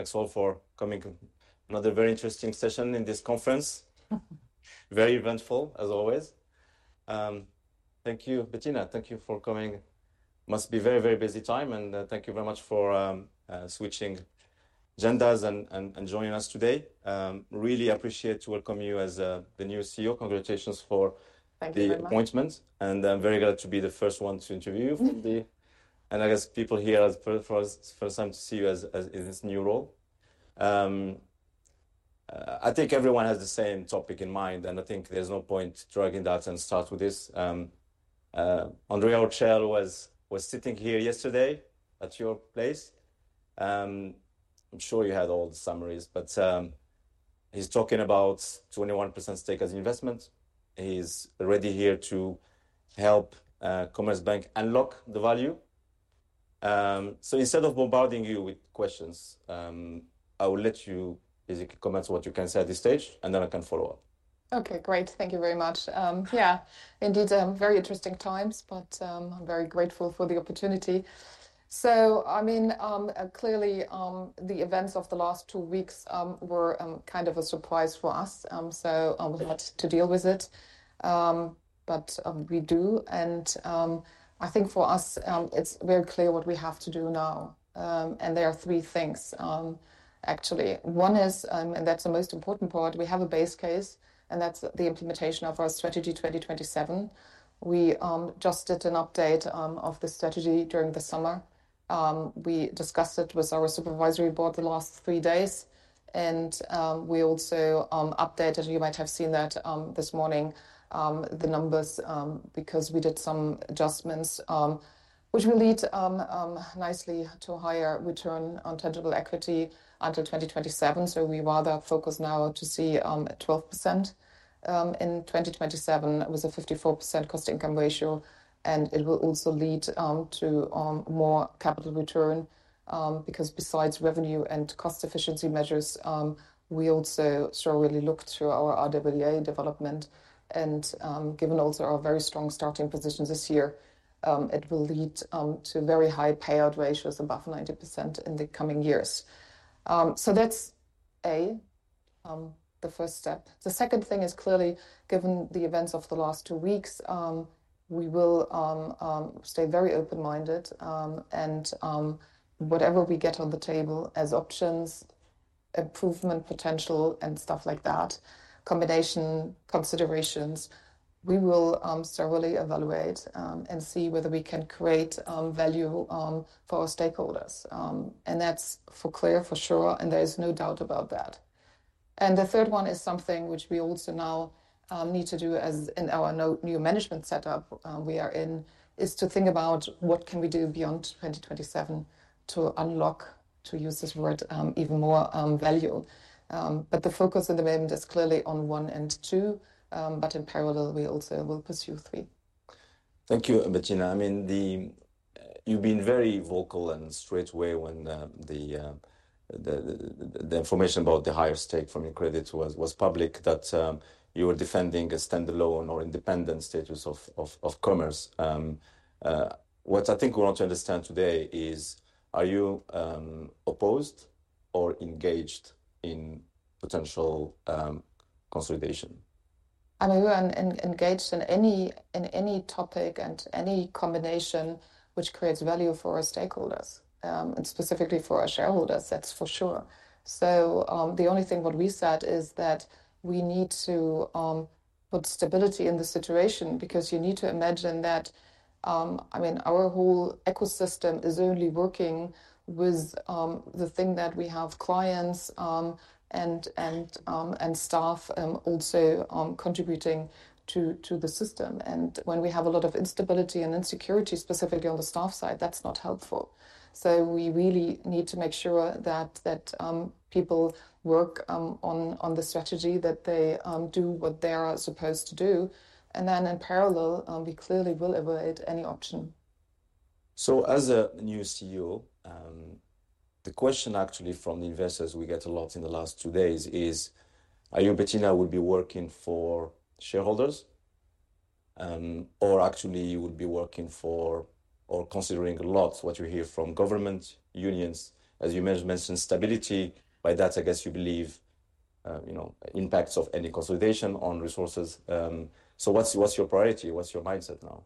Thanks all for coming. Another very interesting session in this conference. Very eventful, as always. Thank you, Bettina. Thank you for coming. Must be very, very busy time, and thank you very much for switching agendas and joining us today. Really appreciate to welcome you as the new CEO. Congratulations for- Thank you very much. the appointment, and I'm very glad to be the first one to interview you- Mm-hmm from the, and I guess people here for the first time to see you as in this new role. I think everyone has the same topic in mind, and I think there's no point dragging that and start with this. Andrea Orcel was sitting here yesterday at your place. I'm sure you had all the summaries, but he's talking about 21% stake as an investment. He's already here to help Commerzbank unlock the value. So instead of bombarding you with questions, I will let you basically comment what you can say at this stage, and then I can follow up. Okay, great. Thank you very much. Yeah, indeed, very interesting times, but, I'm very grateful for the opportunity. So I mean, clearly, the events of the last two weeks were kind of a surprise for us, so we've got to deal with it, but we do, and I think for us it's very clear what we have to do now, and there are three things, actually. One is, and that's the most important part, we have a base case, and that's the implementation of our Strategy 2027. We just did an update of the strategy during the summer. We discussed it with our supervisory board the last three days, and we also updated, you might have seen that, this morning the numbers because we did some adjustments, which will lead nicely to a higher return on tangible equity until 2027. So we rather focus now to see 12% in 2027. It was a 54% cost-income ratio, and it will also lead to more capital return. Because besides revenue and cost efficiency measures, we also thoroughly looked through our RWA development, and given also our very strong starting position this year, it will lead to very high payout ratios, above 90% in the coming years. So that's the first step. The second thing is, clearly, given the events of the last two weeks, we will stay very open-minded, and whatever we get on the table as options, improvement potential, and stuff like that, combination considerations, we will thoroughly evaluate, and see whether we can create value for our stakeholders. And that's clear, for sure, and there is no doubt about that. And the third one is something which we also now need to do, as in our new management setup, is to think about what can we do beyond 2027 to unlock, to use this word, even more value. But the focus at the moment is clearly on one and two, but in parallel, we also will pursue three. Thank you, Bettina. I mean, you've been very vocal and straight away when the information about the higher stake from UniCredit was public, that you were defending a standalone or independent status of Commerzbank. What I think we want to understand today is, are you opposed or engaged in potential consolidation? I mean, we are engaged in any topic and any combination which creates value for our stakeholders, and specifically for our shareholders, that's for sure, so the only thing what we said is that we need to put stability in the situation, because you need to imagine that, I mean, our whole ecosystem is only working with the thing that we have clients and staff also contributing to the system, and when we have a lot of instability and insecurity, specifically on the staff side, that's not helpful, so we really need to make sure that people work on the strategy, that they do what they are supposed to do, and then in parallel, we clearly will evaluate any option. As a new CEO, the question actually from the investors we get a lot in the last two days is, are you, Bettina, will be working for shareholders? Or actually you will be working for or considering a lot what you hear from government, unions. As you mentioned, stability, by that I guess you believe, you know, impacts of any consolidation on resources. What's your priority? What's your mindset now?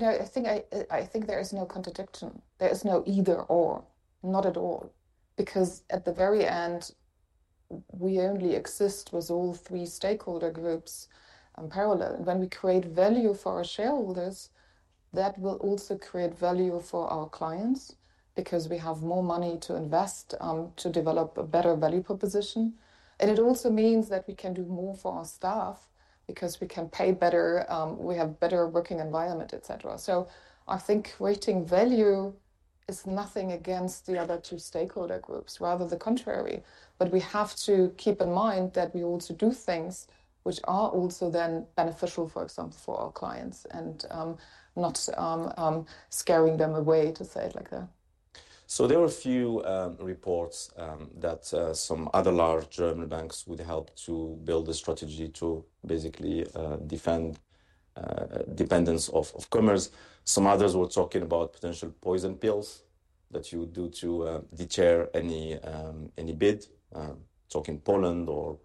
You know, I think there is no contradiction. There is no either/or, not at all, because at the very end, we only exist with all three stakeholder groups in parallel. When we create value for our shareholders, that will also create value for our clients, because we have more money to invest to develop a better value proposition. And it also means that we can do more for our staff, because we can pay better, we have better working environment, etc. So I think creating value is nothing against the other two stakeholder groups, rather the contrary. But we have to keep in mind that we also do things which are also then beneficial, for example, for our clients, and not scaring them away, to say it like that. There were a few reports that some other large German banks would help to build a strategy to basically defend independence of Commerz. Some others were talking about potential poison pills that you do to derail any bid, talking about Poland or.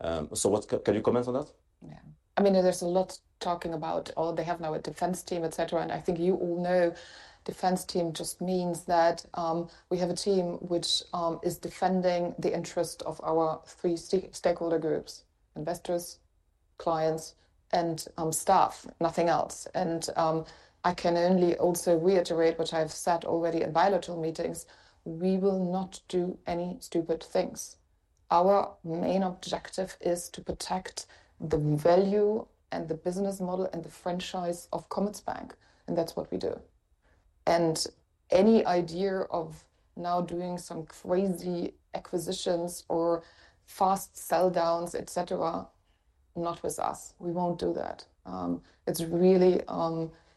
Can you comment on that? Yeah. I mean, there's a lot talking about, oh, they have now a defense team, et cetera, and I think you all know defense team just means that, we have a team which, is defending the interest of our three stakeholder groups: investors, clients, and, staff, nothing else. And, I can only also reiterate what I've said already in bilateral meetings, we will not do any stupid things. Our main objective is to protect the value and the business model, and the franchise of Commerzbank, and that's what we do. And any idea of now doing some crazy acquisitions or fast sell downs, et cetera, not with us. We won't do that. It's really...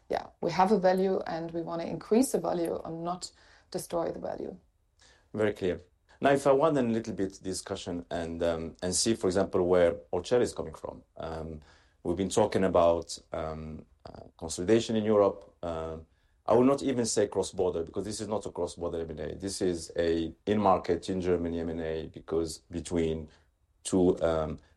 Yeah, we have a value, and we want to increase the value and not destroy the value. Very clear. Now, if I want a little bit discussion and see, for example, where Orcel is coming from. We've been talking about consolidation in Europe. I will not even say cross-border, because this is not a cross-border M&A. This is a in-market, in Germany M&A, because between two,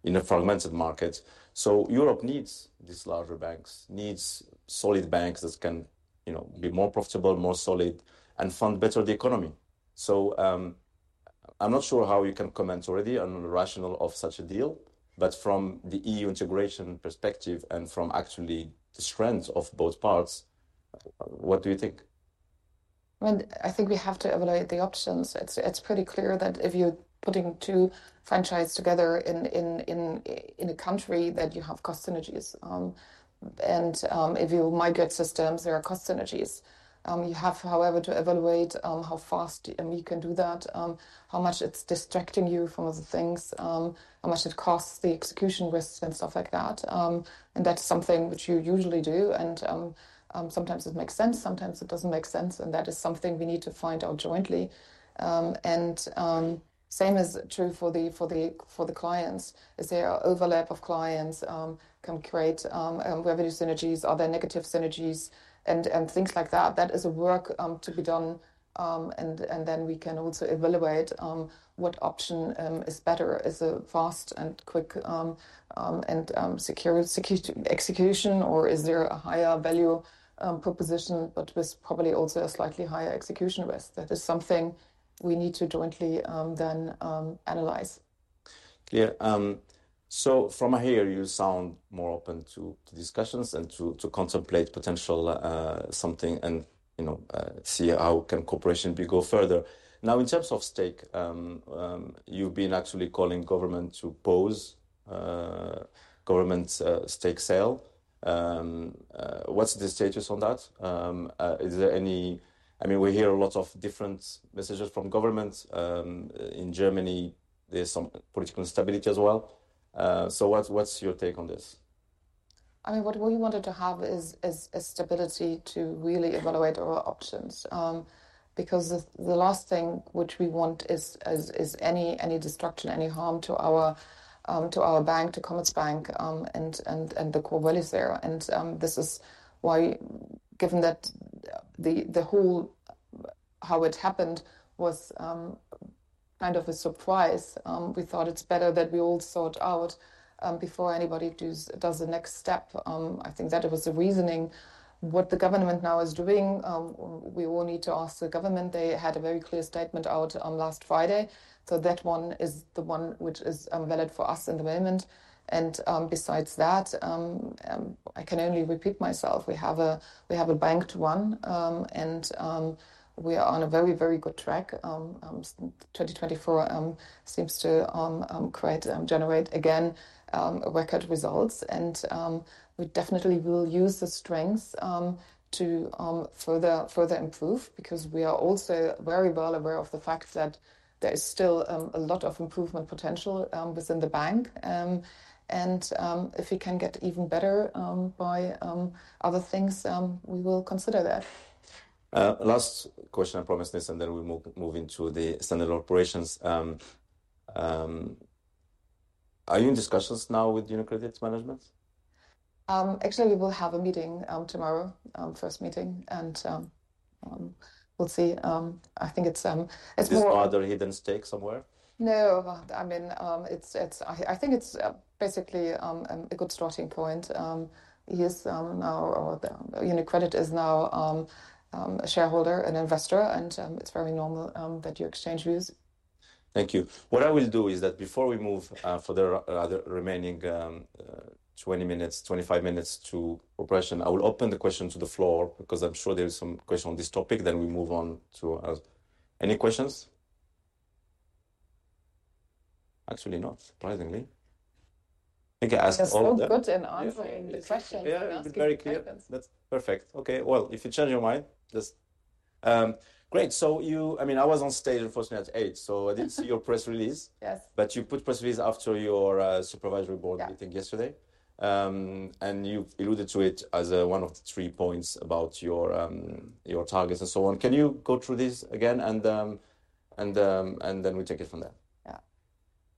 in a fragmented market. So Europe needs these larger banks, needs solid banks that can, you know, be more profitable, more solid, and fund better the economy. So, I'm not sure how you can comment already on the rationale of such a deal, but from the EU integration perspective and from actually the strength of both parts, what do you think? I think we have to evaluate the options. It's pretty clear that if you're putting two franchise together in a country, that you have cost synergies. And if you migrate systems, there are cost synergies. You have, however, to evaluate how fast you can do that, how much it's distracting you from other things, how much it costs, the execution risks and stuff like that. And that's something which you usually do, and sometimes it makes sense, sometimes it doesn't make sense, and that is something we need to find out jointly. And same is true for the clients. Is there overlap of clients, can create revenue synergies? Are there negative synergies and things like that. That is a work to be done, and then we can also evaluate what option is better. Is a fast and quick and secure execution, or is there a higher value proposition, but with probably also a slightly higher execution risk? That is something we need to jointly then analyze. Clear. So from here, you sound more open to discussions and to contemplate potential something and, you know, see how can cooperation be go further. Now, in terms of stake, you've been actually calling government to pause government's stake sale. What's the status on that? Is there any... I mean, we hear a lot of different messages from governments. In Germany, there's some political instability as well. So what's your take on this? I mean, what we wanted to have is stability to really evaluate our options, because the last thing which we want is any destruction, any harm to our bank, to Commerzbank, and the core value is there. This is why, given that the whole how it happened was kind of a surprise, we thought it's better that we all sort out before anybody does the next step. I think that it was the reasoning. What the government now is doing, we will need to ask the government. They had a very clear statement out last Friday, so that one is the one which is valid for us at the moment, and besides that, I can only repeat myself. We have a banked one, and we are on a very, very good track. 2024 seems to generate again record results. We definitely will use the strength to further improve because we are also very well aware of the fact that there is still a lot of improvement potential within the bank. If we can get even better by other things, we will consider that. Last question, I promise this, and then we move into the standard operations. Are you in discussions now with UniCredit's management? Actually, we will have a meeting tomorrow, first meeting, and we'll see. I think it's more- Is this other hidden stake somewhere? No. I mean, it's a good starting point. He is now, or the UniCredit is now, a shareholder, an investor, and it's very normal that you exchange views. Thank you. What I will do is that before we move further, remaining twenty minutes, twenty-five minutes to operation, I will open the question to the floor because I'm sure there are some questions on this topic, then we move on to... Any questions? Actually, not surprisingly. I think I asked all the- That's so good in answering the question. Yeah, it's very clear. That's perfect. Okay, well, if you change your mind, just... Great. So, I mean, I was on stage, unfortunately, at eight, so I didn't see your press release. Yes. But you put press release after your supervisory board- Yeah meeting yesterday. And you've alluded to it as one of the three points about your targets and so on. Can you go through this again, and then we take it from there?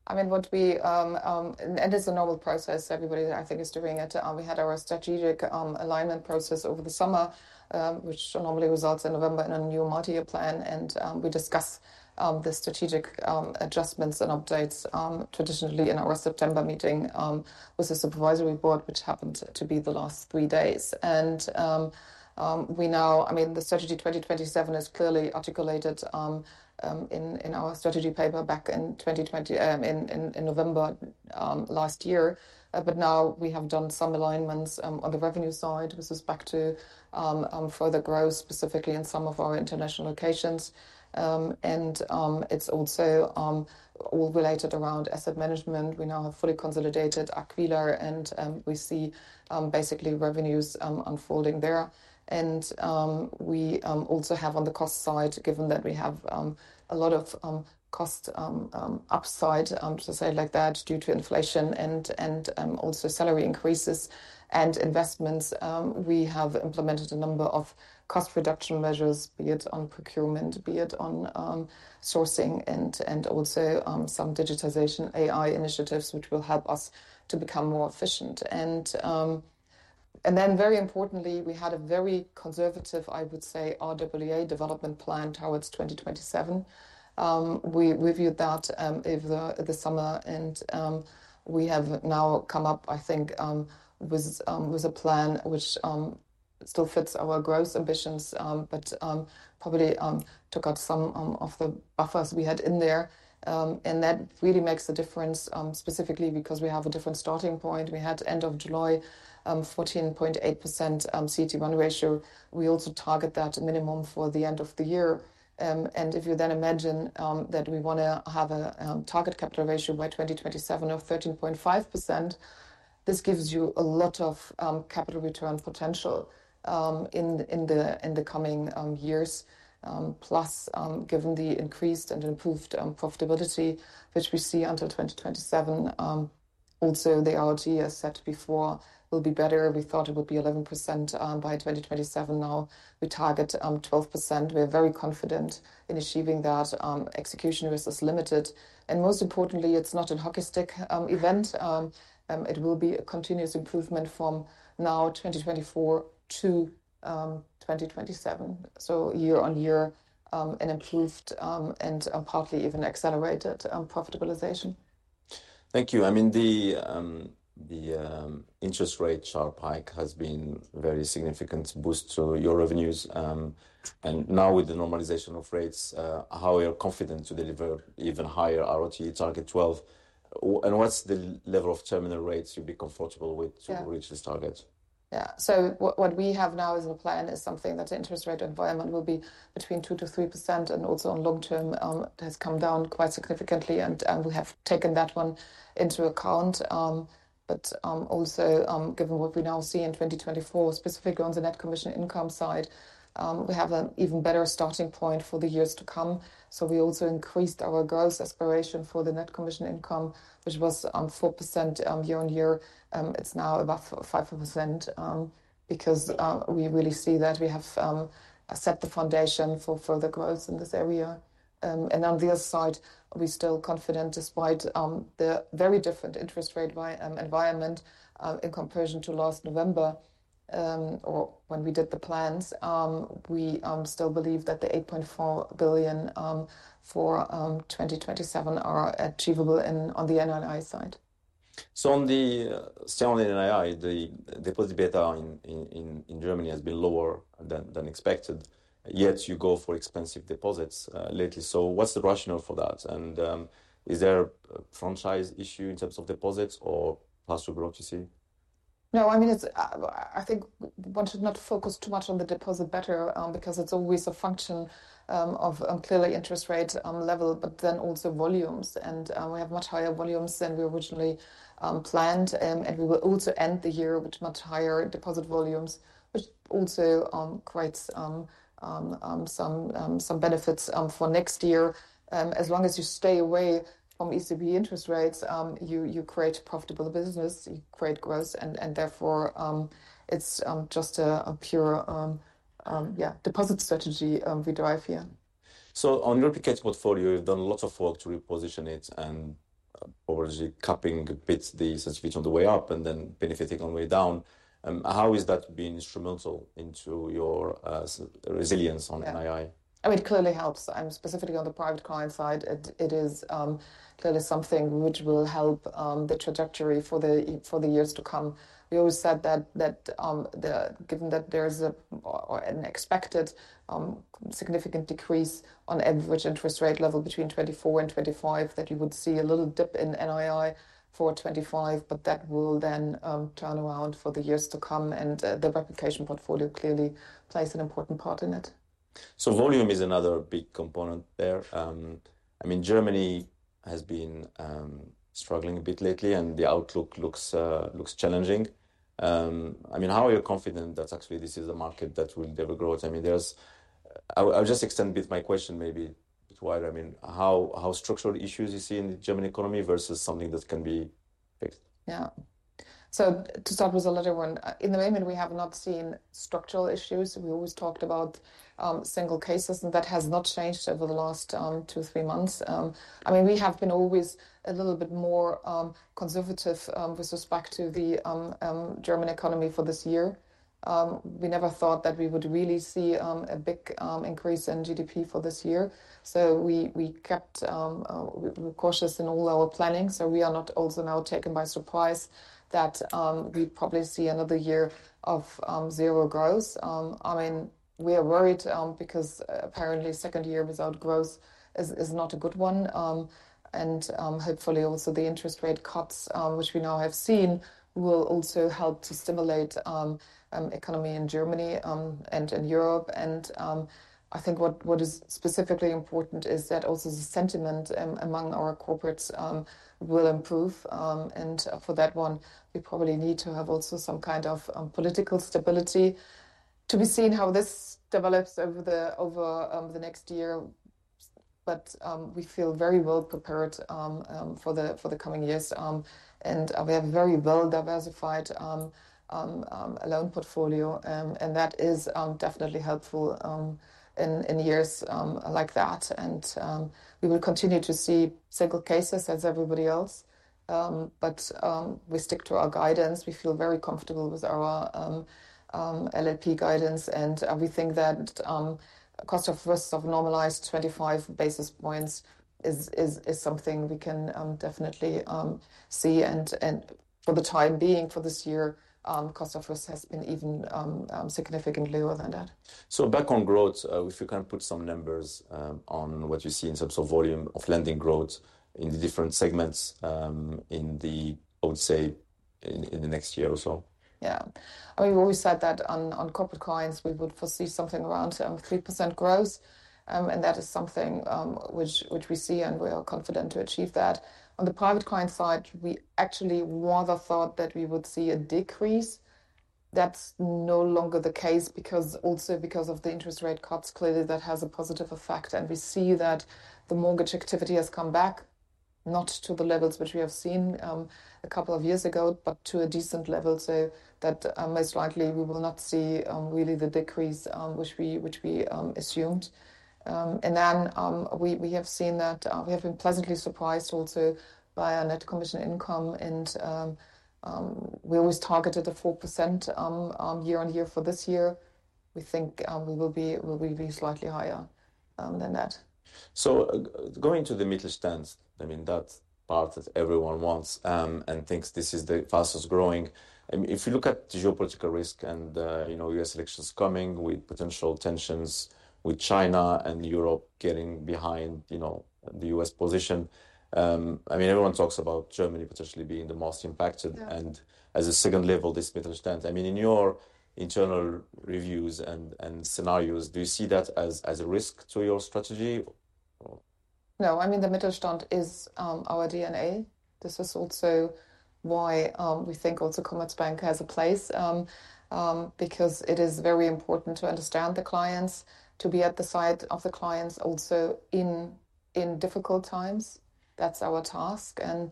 Yeah. I mean, what we, and it's a normal process. Everybody, I think, is doing it. We had our strategic alignment process over the summer, which normally results in November in a new multi-year plan, and we discuss the strategic adjustments and updates traditionally in our September meeting with the supervisory board, which happened to be the last three days. We now, I mean, the Strategy 2027 is clearly articulated in our strategy paper back in 2020, in November last year. But now we have done some alignments on the revenue side with respect to further growth, specifically in some of our international locations, and it's also all related around asset management. We now have fully consolidated Aquila, and we see basically revenues unfolding there. And we also have on the cost side, given that we have a lot of cost upside, to say it like that, due to inflation and also salary increases and investments, we have implemented a number of cost reduction measures, be it on procurement, be it on sourcing, and also some digitization AI initiatives, which will help us to become more efficient. And then very importantly, we had a very conservative, I would say, RWA development plan towards 2027. We viewed that over the summer, and we have now come up, I think, with a plan which still fits our growth ambitions, but probably took out some of the buffers we had in there. That really makes a difference, specifically because we have a different starting point. We had, end of July, 14.8% CET1 ratio. We also target that minimum for the end of the year. If you then imagine that we wanna have a target capital ratio by 2027 of 13.5%, this gives you a lot of capital return potential in the coming years. Plus, given the increased and improved profitability which we see until 2027, also the RoTE, as said before, will be better. We thought it would be 11% by 2027. Now we target 12%. We're very confident in achieving that. Execution risk is limited, and most importantly, it's not a hockey stick event. It will be a continuous improvement from now, 2024 to 2027. So year-on-year, an improved and partly even accelerated profitabilization. Thank you. I mean, the interest rate sharp hike has been very significant boost to your revenues. And now with the normalization of rates, how are you confident to deliver even higher RoTE target twelve? And what's the level of terminal rates you'd be comfortable with to reach this target? Yeah. So what we have now as a plan is something that the interest rate environment will be between 2% and 3%, and also on long term, it has come down quite significantly, and we have taken that one into account. But also, given what we now see in 2024, specifically on the net commission income side, we have an even better starting point for the years to come. So we also increased our growth aspiration for the net commission income, which was 4% year-on-year. It's now above 5%, because we really see that we have set the foundation for further growth in this area. And on the other side, we're still confident, despite the very different interest rate environment, in comparison to last November, or when we did the plans. We still believe that the 8.4 billion for 2027 are achievable, on the NII side. Still on NII, the deposit beta in Germany has been lower than expected, yet you go for expensive deposits lately. What's the rationale for that? And is there a franchise issue in terms of deposits or faster growth, you see? I think one should not focus too much on the deposit beta, because it's always a function of clearly interest rate level, but then also volumes. We have much higher volumes than we originally planned. We will also end the year with much higher deposit volumes, which also creates some benefits for next year. As long as you stay away from ECB interest rates, you create profitable business, you create growth, and therefore it's just a pure yeah deposit strategy we drive here. On the replication portfolio, you've done a lot of work to reposition it and obviously capping a bit the sensitivity on the way up and then benefiting on the way down. How is that being instrumental into your resilience on NII? Yeah. I mean, it clearly helps. Specifically on the private client side, it is clearly something which will help the trajectory for the years to come. We always said that, given that there's an expected significant decrease on average interest rate level between 2024 and 2025, that you would see a little dip in NII for 2025, but that will then turn around for the years to come, and the replication portfolio clearly plays an important part in it. Volume is another big component there. I mean, Germany has been struggling a bit lately, and the outlook looks challenging. I mean, how are you confident that actually this is a market that will deliver growth? I mean, there's. I'll just extend a bit my question maybe bit wider. I mean, how structural issues you see in the German economy versus something that can be fixed? Yeah... so to start with the latter one, at the moment, we have not seen structural issues. We always talked about single cases, and that has not changed over the last two, three months. I mean, we have been always a little bit more conservative with respect to the German economy for this year. We never thought that we would really see a big increase in GDP for this year, so we kept we're cautious in all our planning, so we are not also now taken by surprise that we probably see another year of zero growth. I mean, we are worried because apparently second year without growth is not a good one. Hopefully also the interest rate cuts, which we now have seen, will also help to stimulate economy in Germany and in Europe. I think what is specifically important is that also the sentiment among our corporates will improve. For that one, we probably need to have also some kind of political stability. To be seen how this develops over the next year, but we feel very well prepared for the coming years. We have very well-diversified loan portfolio, and that is definitely helpful in years like that. We will continue to see single cases as everybody else, but we stick to our guidance. We feel very comfortable with our LLP guidance, and we think that cost of risk is normalized 25 basis points is something we can definitely see, and for the time being, for this year, cost of risk has been even significantly lower than that. Back on growth, if you can put some numbers on what you see in terms of volume of lending growth in the different segments, I would say, in the next year or so? Yeah. I mean, we've always said that on corporate clients we would foresee something around 3% growth. And that is something which we see, and we are confident to achieve that. On the private client side, we actually rather thought that we would see a decrease. That's no longer the case, because also because of the interest rate cuts. Clearly, that has a positive effect, and we see that the mortgage activity has come back, not to the levels which we have seen a couple of years ago, but to a decent level, so that most likely we will not see really the decrease which we assumed. And then we have seen that. We have been pleasantly surprised also by our net commission income, and we always targeted a 4% year-on-year for this year. We think we will be slightly higher than that. So going to the Mittelstand, I mean, that's part that everyone wants, and thinks this is the fastest growing. I mean, if you look at geopolitical risk and, you know, U.S. elections coming with potential tensions with China and Europe getting behind, you know, the U.S. position, I mean, everyone talks about Germany potentially being the most impacted and as a second level, this Mittelstand. I mean, in your internal reviews and scenarios, do you see that as a risk to your strategy or? No. I mean, the Mittelstand is our DNA. This is also why we think also Commerzbank has a place because it is very important to understand the clients, to be at the side of the clients also in difficult times. That's our task, and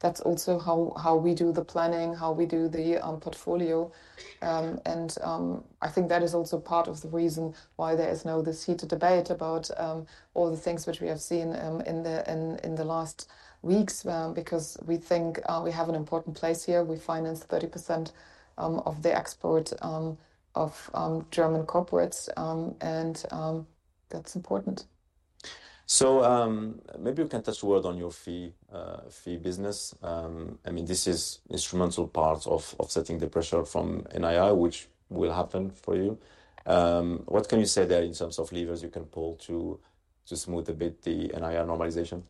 that's also how we do the planning, how we do the portfolio, and I think that is also part of the reason why there is now this heated debate about all the things which we have seen in the last weeks because we think we have an important place here. We finance 30% of the export of German corporates, and that's important. Maybe you can touch a word on your fee business. I mean, this is instrumental part of setting the pressure from NII, which will happen for you. What can you say there in terms of levers you can pull to smooth a bit the NII normalization?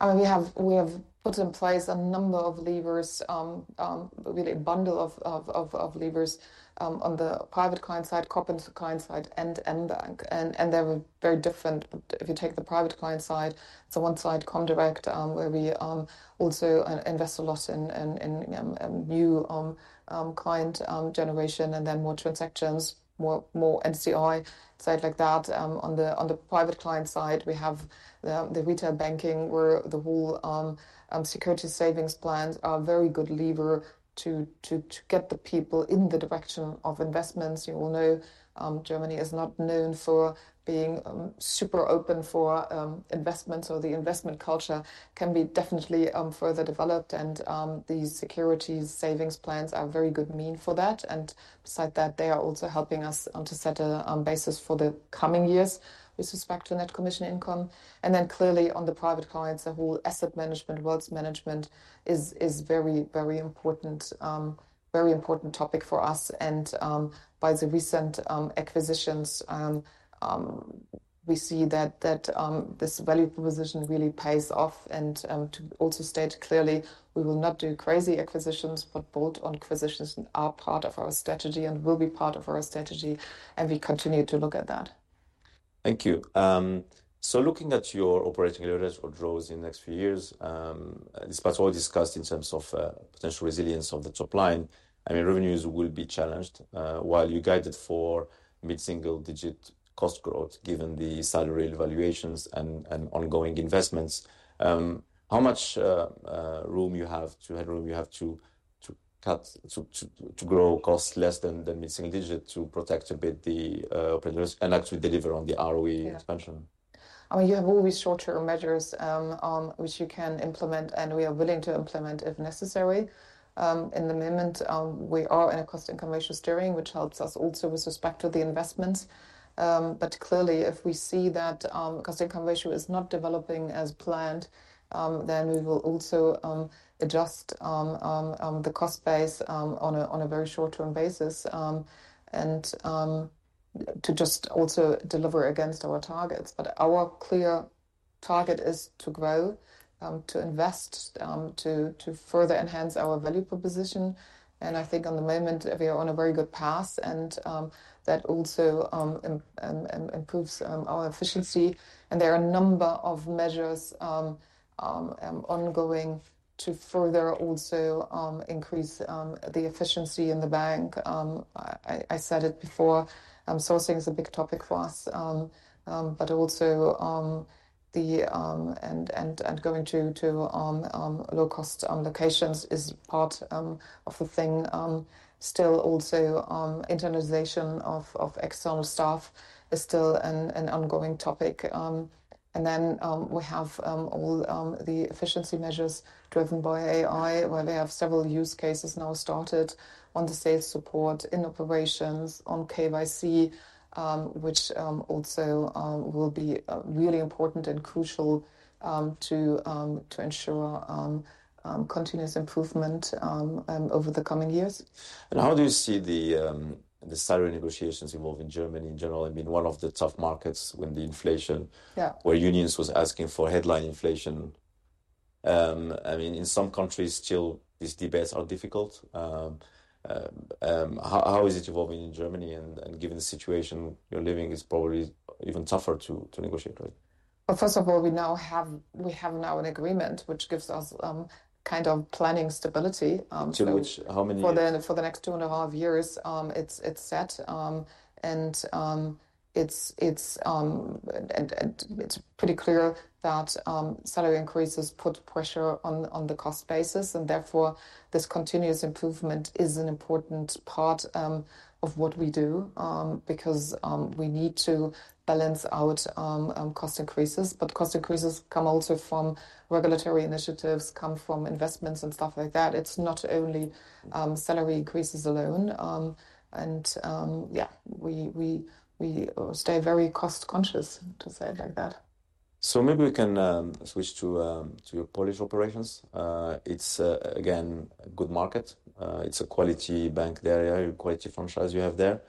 I mean, we have put in place a number of levers, really a bundle of levers, on the private client side, corporate client side, and mBank, and they were very different. If you take the private client side, so one side, Comdirect, where we also invest a lot in new client generation, and then more transactions, more NCI, side like that. On the private client side, we have the retail banking, where the whole securities savings plans are very good lever to get the people in the direction of investments. You all know, Germany is not known for being super open for investments, or the investment culture can be definitely further developed, and the securities savings plans are a very good means for that, and besides that, they are also helping us to set a basis for the coming years with respect to net commission income, and then clearly on the private clients, the whole asset management, wealth management is very important topic for us, and by the recent acquisitions, we see that this value proposition really pays off, and to also state clearly, we will not do crazy acquisitions, but bolt-on acquisitions are part of our strategy and will be part of our strategy, and we continue to look at that. Thank you, so looking at your operating leverage or jaws in the next few years, despite all discussed in terms of potential resilience of the top line, I mean, revenues will be challenged, while you guided for mid-single digit cost growth, given the salary evaluations and ongoing investments. How much headroom you have to grow cost less than mid-single digit to protect a bit the operating jaws and actually deliver on the ROE expansion? Yeah. I mean, you have always short-term measures on which you can implement, and we are willing to implement if necessary. At the moment, we are in a cost-income ratio steering, which helps us also with respect to the investments. But clearly, if we see that cost-income ratio is not developing as planned, then we will also the cost base on a very short-term basis, and to just also deliver against our targets, but our clear target is to grow, to invest, to further enhance our value proposition, and I think at the moment we are on a very good path, and that also improves our efficiency. And there are a number of measures ongoing to further also increase the efficiency in the bank. I said it before, sourcing is a big topic for us. But also going to low-cost locations is part of the thing. Still also, internalization of external staff is still an ongoing topic. And then, we have all the efficiency measures driven by AI, where we have several use cases now started on the sales support, in operations, on KYC, which also will be really important and crucial to ensure continuous improvement over the coming years. How do you see the salary negotiations evolve in Germany in general? I mean, one of the tough markets when the inflation- Yeah. where unions was asking for headline inflation. I mean, in some countries still, these debates are difficult. How is it evolving in Germany? And given the situation you're living, it's probably even tougher to negotiate, right? First of all, we now have an agreement, which gives us kind of planning stability to- To which, how many years? For the next two and a half years, it's set. It's pretty clear that salary increases put pressure on the cost basis, and therefore, this continuous improvement is an important part of what we do. Because we need to balance out cost increases. But cost increases come also from regulatory initiatives, come from investments and stuff like that. It's not only salary increases alone. Yeah, we stay very cost conscious, to say it like that. Maybe we can switch to your Polish operations. It's again a good market. It's a quality bank there, a quality franchise you have there.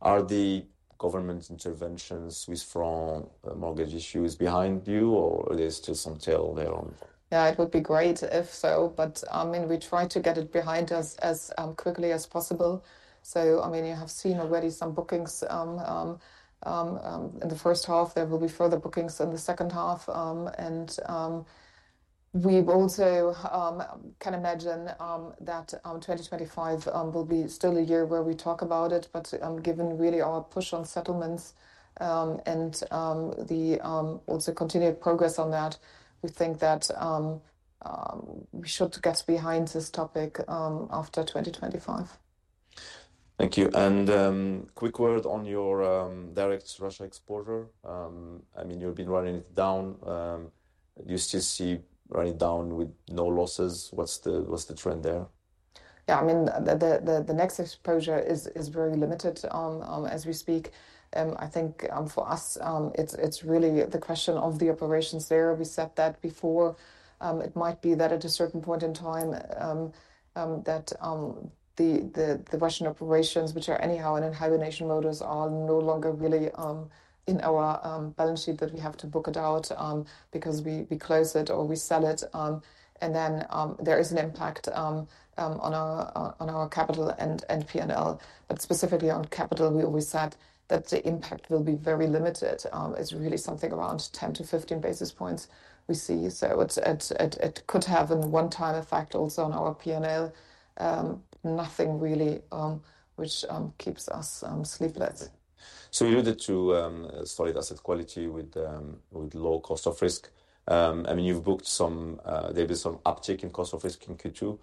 Are the government interventions, Swiss franc, mortgage issues behind you, or there's still some tail there on? Yeah, it would be great if so, but I mean, we try to get it behind us as quickly as possible. So I mean, you have seen already some bookings. In the first half, there will be further bookings in the second half. And we've also can imagine that 2025 will be still a year where we talk about it. But given really our push on settlements and the also continued progress on that, we think that we should get behind this topic after 2025. Thank you. And, quick word on your, direct Russia exposure. I mean, you've been running it down. Do you still see running it down with no losses? What's the trend there? Yeah, I mean, the next exposure is very limited, as we speak. I think, for us, it's really the question of the operations there. We said that before. It might be that at a certain point in time, that the Russian operations, which are anyhow in hibernation mode, are no longer really in our balance sheet, that we have to book it out, because we close it or we sell it. And then, there is an impact on our capital and PNL. But specifically on capital, we always said that the impact will be very limited. It's really something around 10-15 basis points we see. So it could have a one-time effect also on our PNL. Nothing really, which keeps us sleepless. You alluded to solid asset quality with low cost of risk. I mean, there've been some uptick in cost of risk in Q2.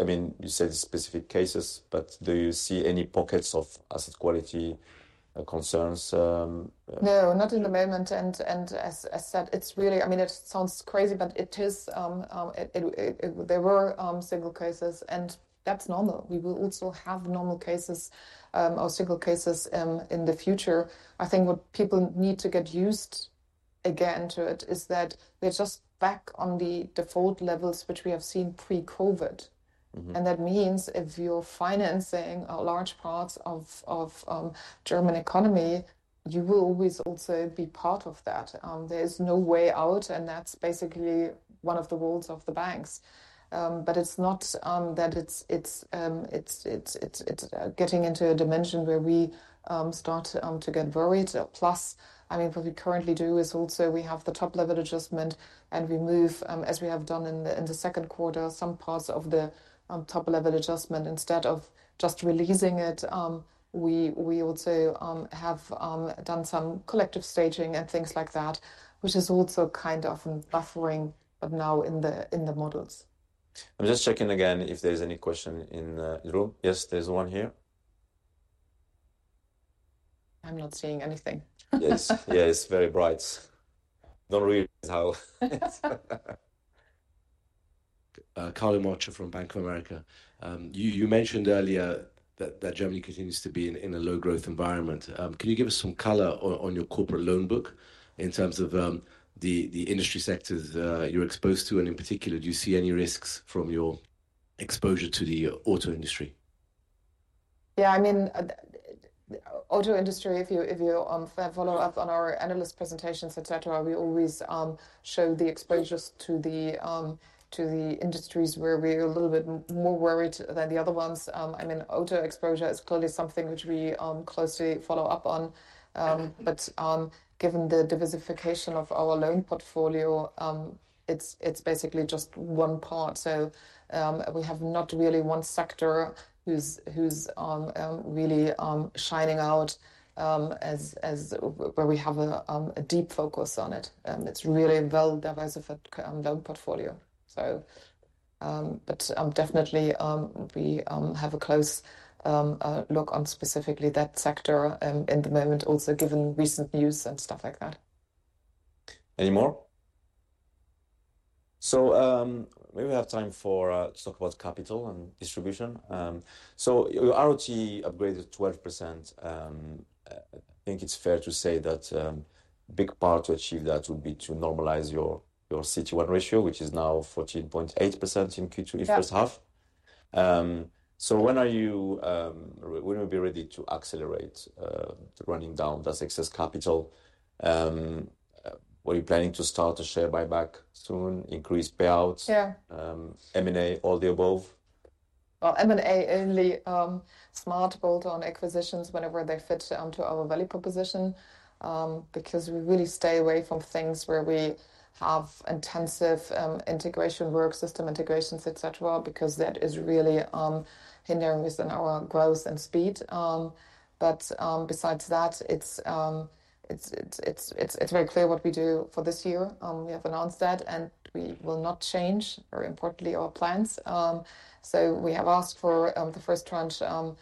I mean, you said specific cases, but do you see any pockets of asset quality concerns? No, not at the moment. And as said, it's really... I mean, it sounds crazy, but it is, there were single cases, and that's normal. We will also have normal cases, or single cases, in the future. I think what people need to get used again to it is that we're just back on the default levels, which we have seen pre-COVID. And that means if you're financing a large parts of German economy, you will always also be part of that. There is no way out, and that's basically one of the rules of the banks. But it's not that it's getting into a dimension where we start to get worried. Plus, I mean, what we currently do is also we have the top-level adjustment, and we move, as we have done in the second quarter, some parts of the top-level adjustment. Instead of just releasing it, we also have done some collective staging and things like that, which is also kind of buffering, but now in the models. I'm just checking again if there's any question in the room. Yes, there's one here. I'm not seeing anything. Yes. Yeah, it's very bright. Don't really know. Carlo Marchio from Bank of America. You mentioned earlier that Germany continues to be in a low-growth environment. Can you give us some color on your corporate loan book in terms of the industry sectors you're exposed to, and in particular, do you see any risks from your exposure to the auto industry? Yeah, I mean, the auto industry, if you follow up on our analyst presentations, et cetera, we always show the exposures to the industries where we're a little bit more worried than the other ones. I mean, auto exposure is clearly something which we closely follow up on. But given the diversification of our loan portfolio, it's basically just one part. So, we have not really one sector who's really shining out as where we have a deep focus on it. It's really a well-diversified loan portfolio. So, but definitely, we have a close look on specifically that sector in the moment, also, given recent news and stuff like that. Any more? So we have time to talk about capital and distribution. So your RoTE upgraded 12%. I think it's fair to say that a big part to achieve that would be to normalize your CET1 ratio, which is now 14.8% in Q2 first half. Yeah. When will you be ready to accelerate running down that excess capital? Were you planning to start a share buyback soon, increase payouts? Yeah. M&A, all the above? M&A only, smart bolt-on acquisitions whenever they fit to our value proposition. Because we really stay away from things where we have intensive integration work, system integrations, et cetera, because that is really hindering us in our growth and speed, but besides that, it's very clear what we do for this year. We have announced that, and we will not change, very importantly, our plans, so we have asked for the first tranche of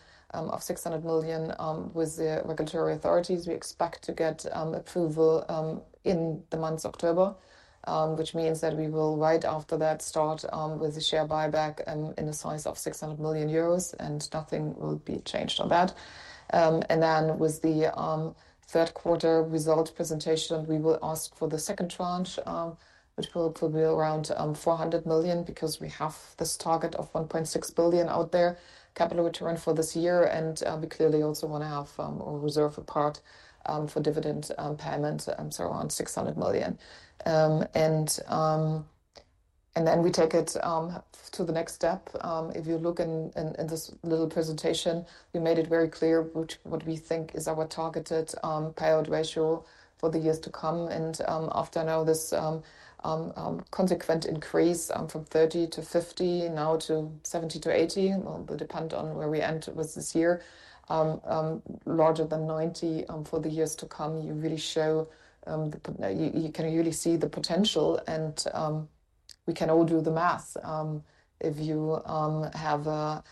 600 million with the regulatory authorities. We expect to get approval in October, which means that we will, right after that, start with a share buyback in the size of 600 million euros, and nothing will be changed on that. And then with the third quarter result presentation, we will ask for the second tranche, which will probably be around 400 million, because we have this target of 1.6 billion out there, capital return for this year, and we clearly also want to have reserve a part for dividend payment, so around 600 million. And then we take it to the next step. If you look in this little presentation, we made it very clear what we think is our targeted payout ratio for the years to come, and after now this consequent increase from 30%-50%, now to 70%-80%, will depend on where we end with this year. Larger than 90%, for the years to come, you really show the... You can really see the potential, and we can all do the math. If you have a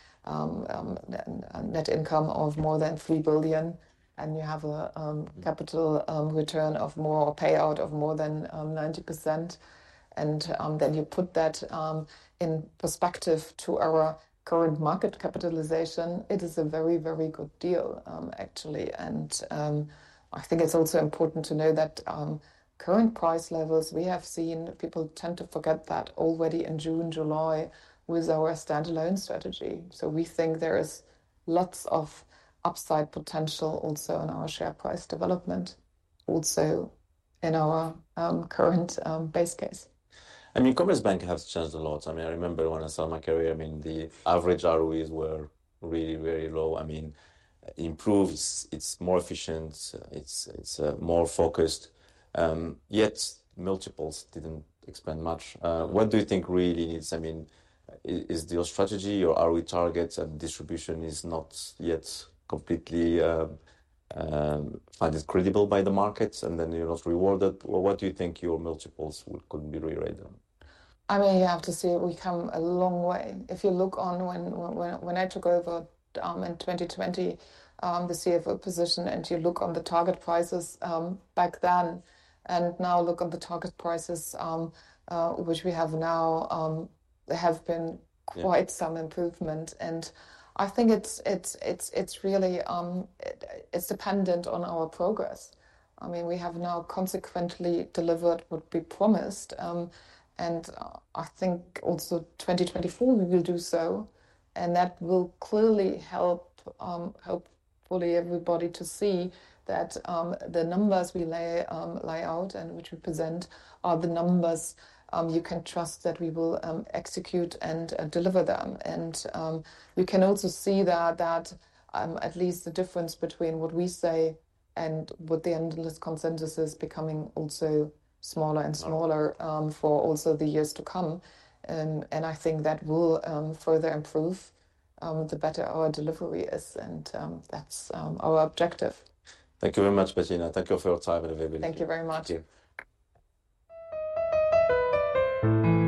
net income of more than 3 billion, and you have a capital return of more, or payout of more than 90%, and then you put that in perspective to our current market capitalization, it is a very, very good deal, actually. I think it's also important to know that current price levels, we have seen, people tend to forget that already in June, July, with our standalone strategy. So we think there is lots of upside potential also in our share price development, also in our current base case. I mean, Commerzbank has changed a lot. I mean, I remember when I started my career, I mean, the average ROEs were really, very low. I mean, it improves, it's more efficient, it's more focused, yet multiples didn't expand much. What do you think really needs... I mean, is your strategy or ROE targets and distribution not yet completely found credible by the markets, and then you're not rewarded? Or what do you think your multiples could be rerated on? I mean, you have to say we come a long way. If you look on when I took over in 2020, the CFO position, and you look on the target prices back then, and now look on the target prices which we have now, have been- Yeah quite some improvement, and I think it's really dependent on our progress. I mean, we have now consequently delivered what we promised, and I think also 2024 we will do so, and that will clearly help, hopefully everybody to see that the numbers we lay out and which we present are the numbers you can trust that we will execute and deliver them, and we can also see that at least the difference between what we say and what the analyst consensus is becoming also smaller and smaller for also the years to come, and I think that will further improve, the better our delivery is, and that's our objective. Thank you very much, Bettina. Thank you for your time and availability. Thank you very much. Thank you. Hey, everyone.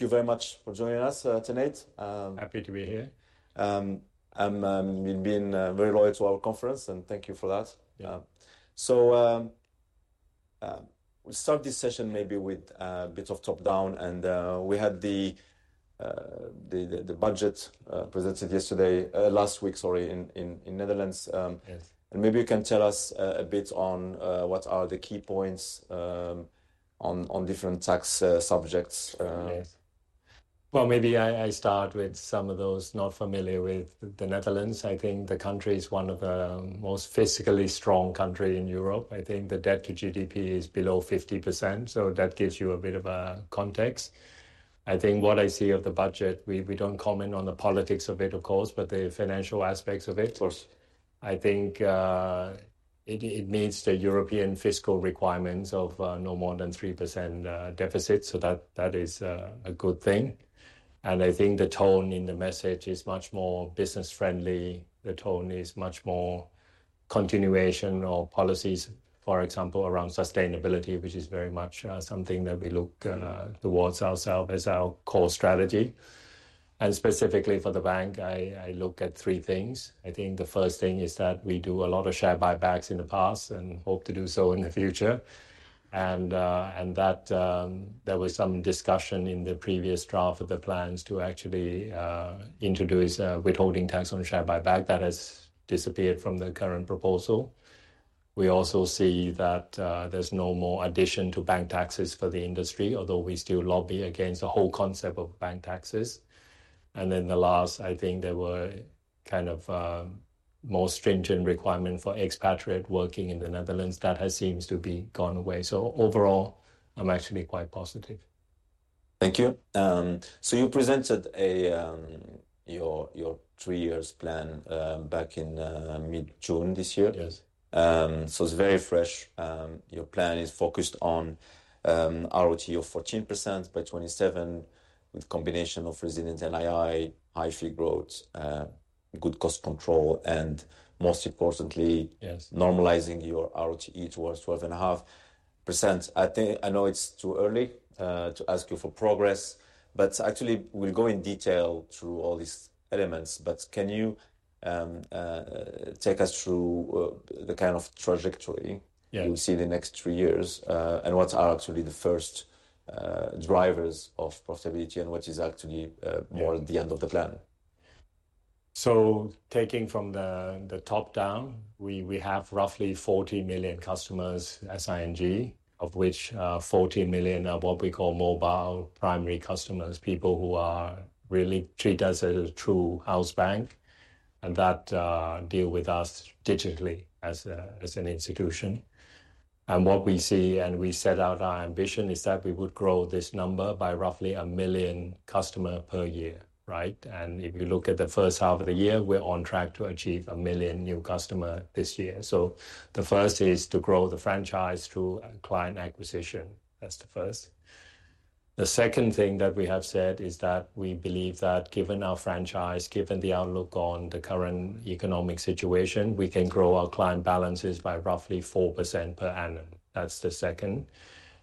Thank you very much for joining us tonight. Happy to be here. You've been very loyal to our conference, and thank you for that. Yeah. So, we start this session maybe with a bit of top down, and we had the budget presented yesterday, last week, sorry, in Netherlands. Yes... and maybe you can tell us a bit on what are the key points on different tax subjects? Yes, well, maybe I start with some of those not familiar with the Netherlands. I think the country is one of the most fiscally strong countries in Europe. I think the debt to GDP is below 50%, so that gives you a bit of a context. I think what I see of the budget, we don't comment on the politics of it, of course, but the financial aspects of it. Of course... I think it meets the European fiscal requirements of no more than 3% deficit, so that is a good thing. I think the tone in the message is much more business-friendly. The tone is much more continuation of policies, for example, around sustainability, which is very much something that we look towards ourselves as our core strategy. Specifically for the bank, I look at three things. I think the first thing is that we do a lot of share buybacks in the past and hope to do so in the future, and that there was some discussion in the previous draft of the plans to actually introduce a withholding tax on share buyback. That has disappeared from the current proposal. We also see that there's no more addition to bank taxes for the industry, although we still lobby against the whole concept of bank taxes. And then the last, I think there were kind of more stringent requirements for expatriates working in the Netherlands. That seems to have gone away. So overall, I'm actually quite positive. Thank you. So you presented your three years plan back in mid-June this year? Yes. So it's very fresh. Your plan is focused on RoTE of 14% by 2027, with combination of resilient NII, high fee growth, good cost control, and most importantly- Yes... normalizing your RoTE towards 12.5%. I think I know it's too early to ask you for progress, but actually, we'll go in detail through all these elements. But can you take us through the kind of trajectory- Yeah... you see the next three years, and what are actually the first drivers of profitability, and what is actually, Yeah... more the end of the plan? So taking from the top down, we have roughly 40 million customers as ING, of which 14 million are what we call mobile primary customers, people who are really treat us as a true house bank, and that deal with us digitally as an institution. And what we see, and we set out our ambition, is that we would grow this number by roughly a million customer per year, right? And if you look at the first half of the year, we're on track to achieve a million new customer this year. So the first is to grow the franchise through client acquisition. That's the first. The second thing that we have said is that we believe that given our franchise, given the outlook on the current economic situation, we can grow our client balances by roughly 4% per annum. That's the second.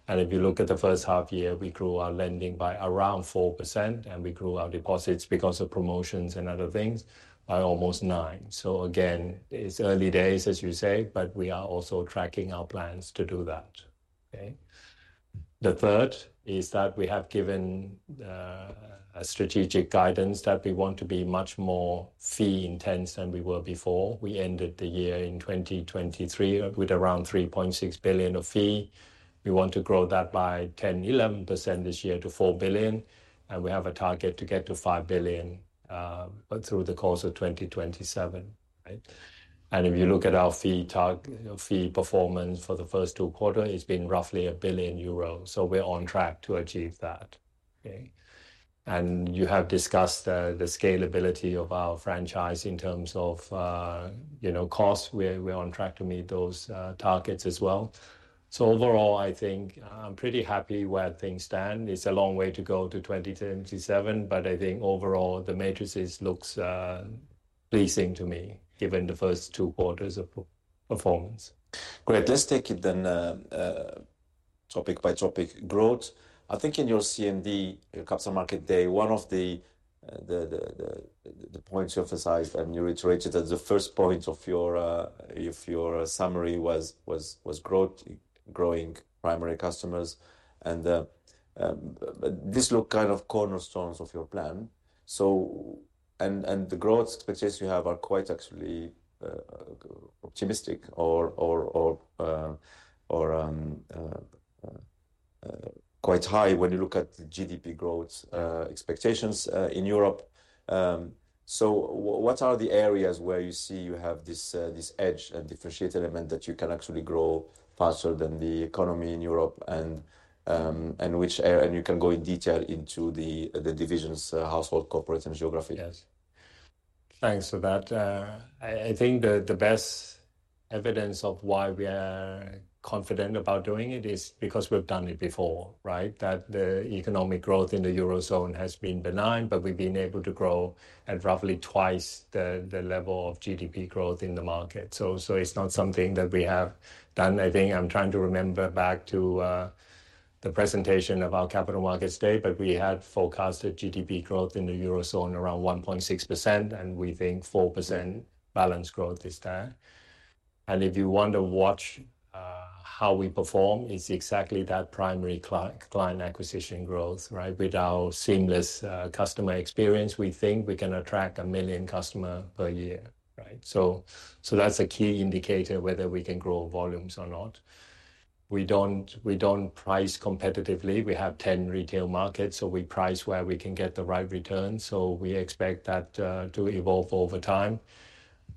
And if you look at the first half year, we grew our lending by around 4%, and we grew our deposits because of promotions and other things by almost 9%. So again, it's early days, as you say, but we are also tracking our plans to do that. Okay? The third is that we have given a strategic guidance that we want to be much more fee intense than we were before. We ended the year in 2023 with around 3.6 billion of fees. We want to grow that by 10%-11% this year to 4 billion, and we have a target to get to 5 billion through the course of 2027, right? And if you look at our fee target - fee performance for the first two quarters, it's been roughly 1 billion euros, so we're on track to achieve that. Okay? You have discussed the scalability of our franchise in terms of, you know, costs. We are on track to meet those targets as well. Overall, I think I'm pretty happy where things stand. It's a long way to go to twenty twenty-seven, but I think overall, the metrics looks pleasing to me, given the first two quarters of performance. Great. Let's take it then, topic by topic. Growth, I think in your CMD, your Capital Market Day, one of the points you emphasized, and you reiterated as the first point of your summary was growth, growing primary customers. And this look kind of cornerstones of your plan. And the growth expectations you have are quite actually optimistic or quite high when you look at the GDP growth expectations in Europe. So what are the areas where you see you have this edge and differentiate element that you can actually grow faster than the economy in Europe? And which are and you can go in detail into the divisions, household, corporate, and geography. Yes. Thanks for that. I think the best evidence of why we are confident about doing it is because we've done it before, right? That the economic growth in the Eurozone has been benign, but we've been able to grow at roughly twice the level of GDP growth in the market. So it's not something that we have done. I think I'm trying to remember back to the presentation of our capital markets day, but we had forecasted GDP growth in the Eurozone around 1.6%, and we think 4% balance growth is there. If you want to watch how we perform, it's exactly that primary client acquisition growth, right? With our seamless customer experience, we think we can attract a million customer per year, right? That's a key indicator whether we can grow volumes or not. We don't price competitively. We have ten retail markets, so we price where we can get the right return, so we expect that to evolve over time.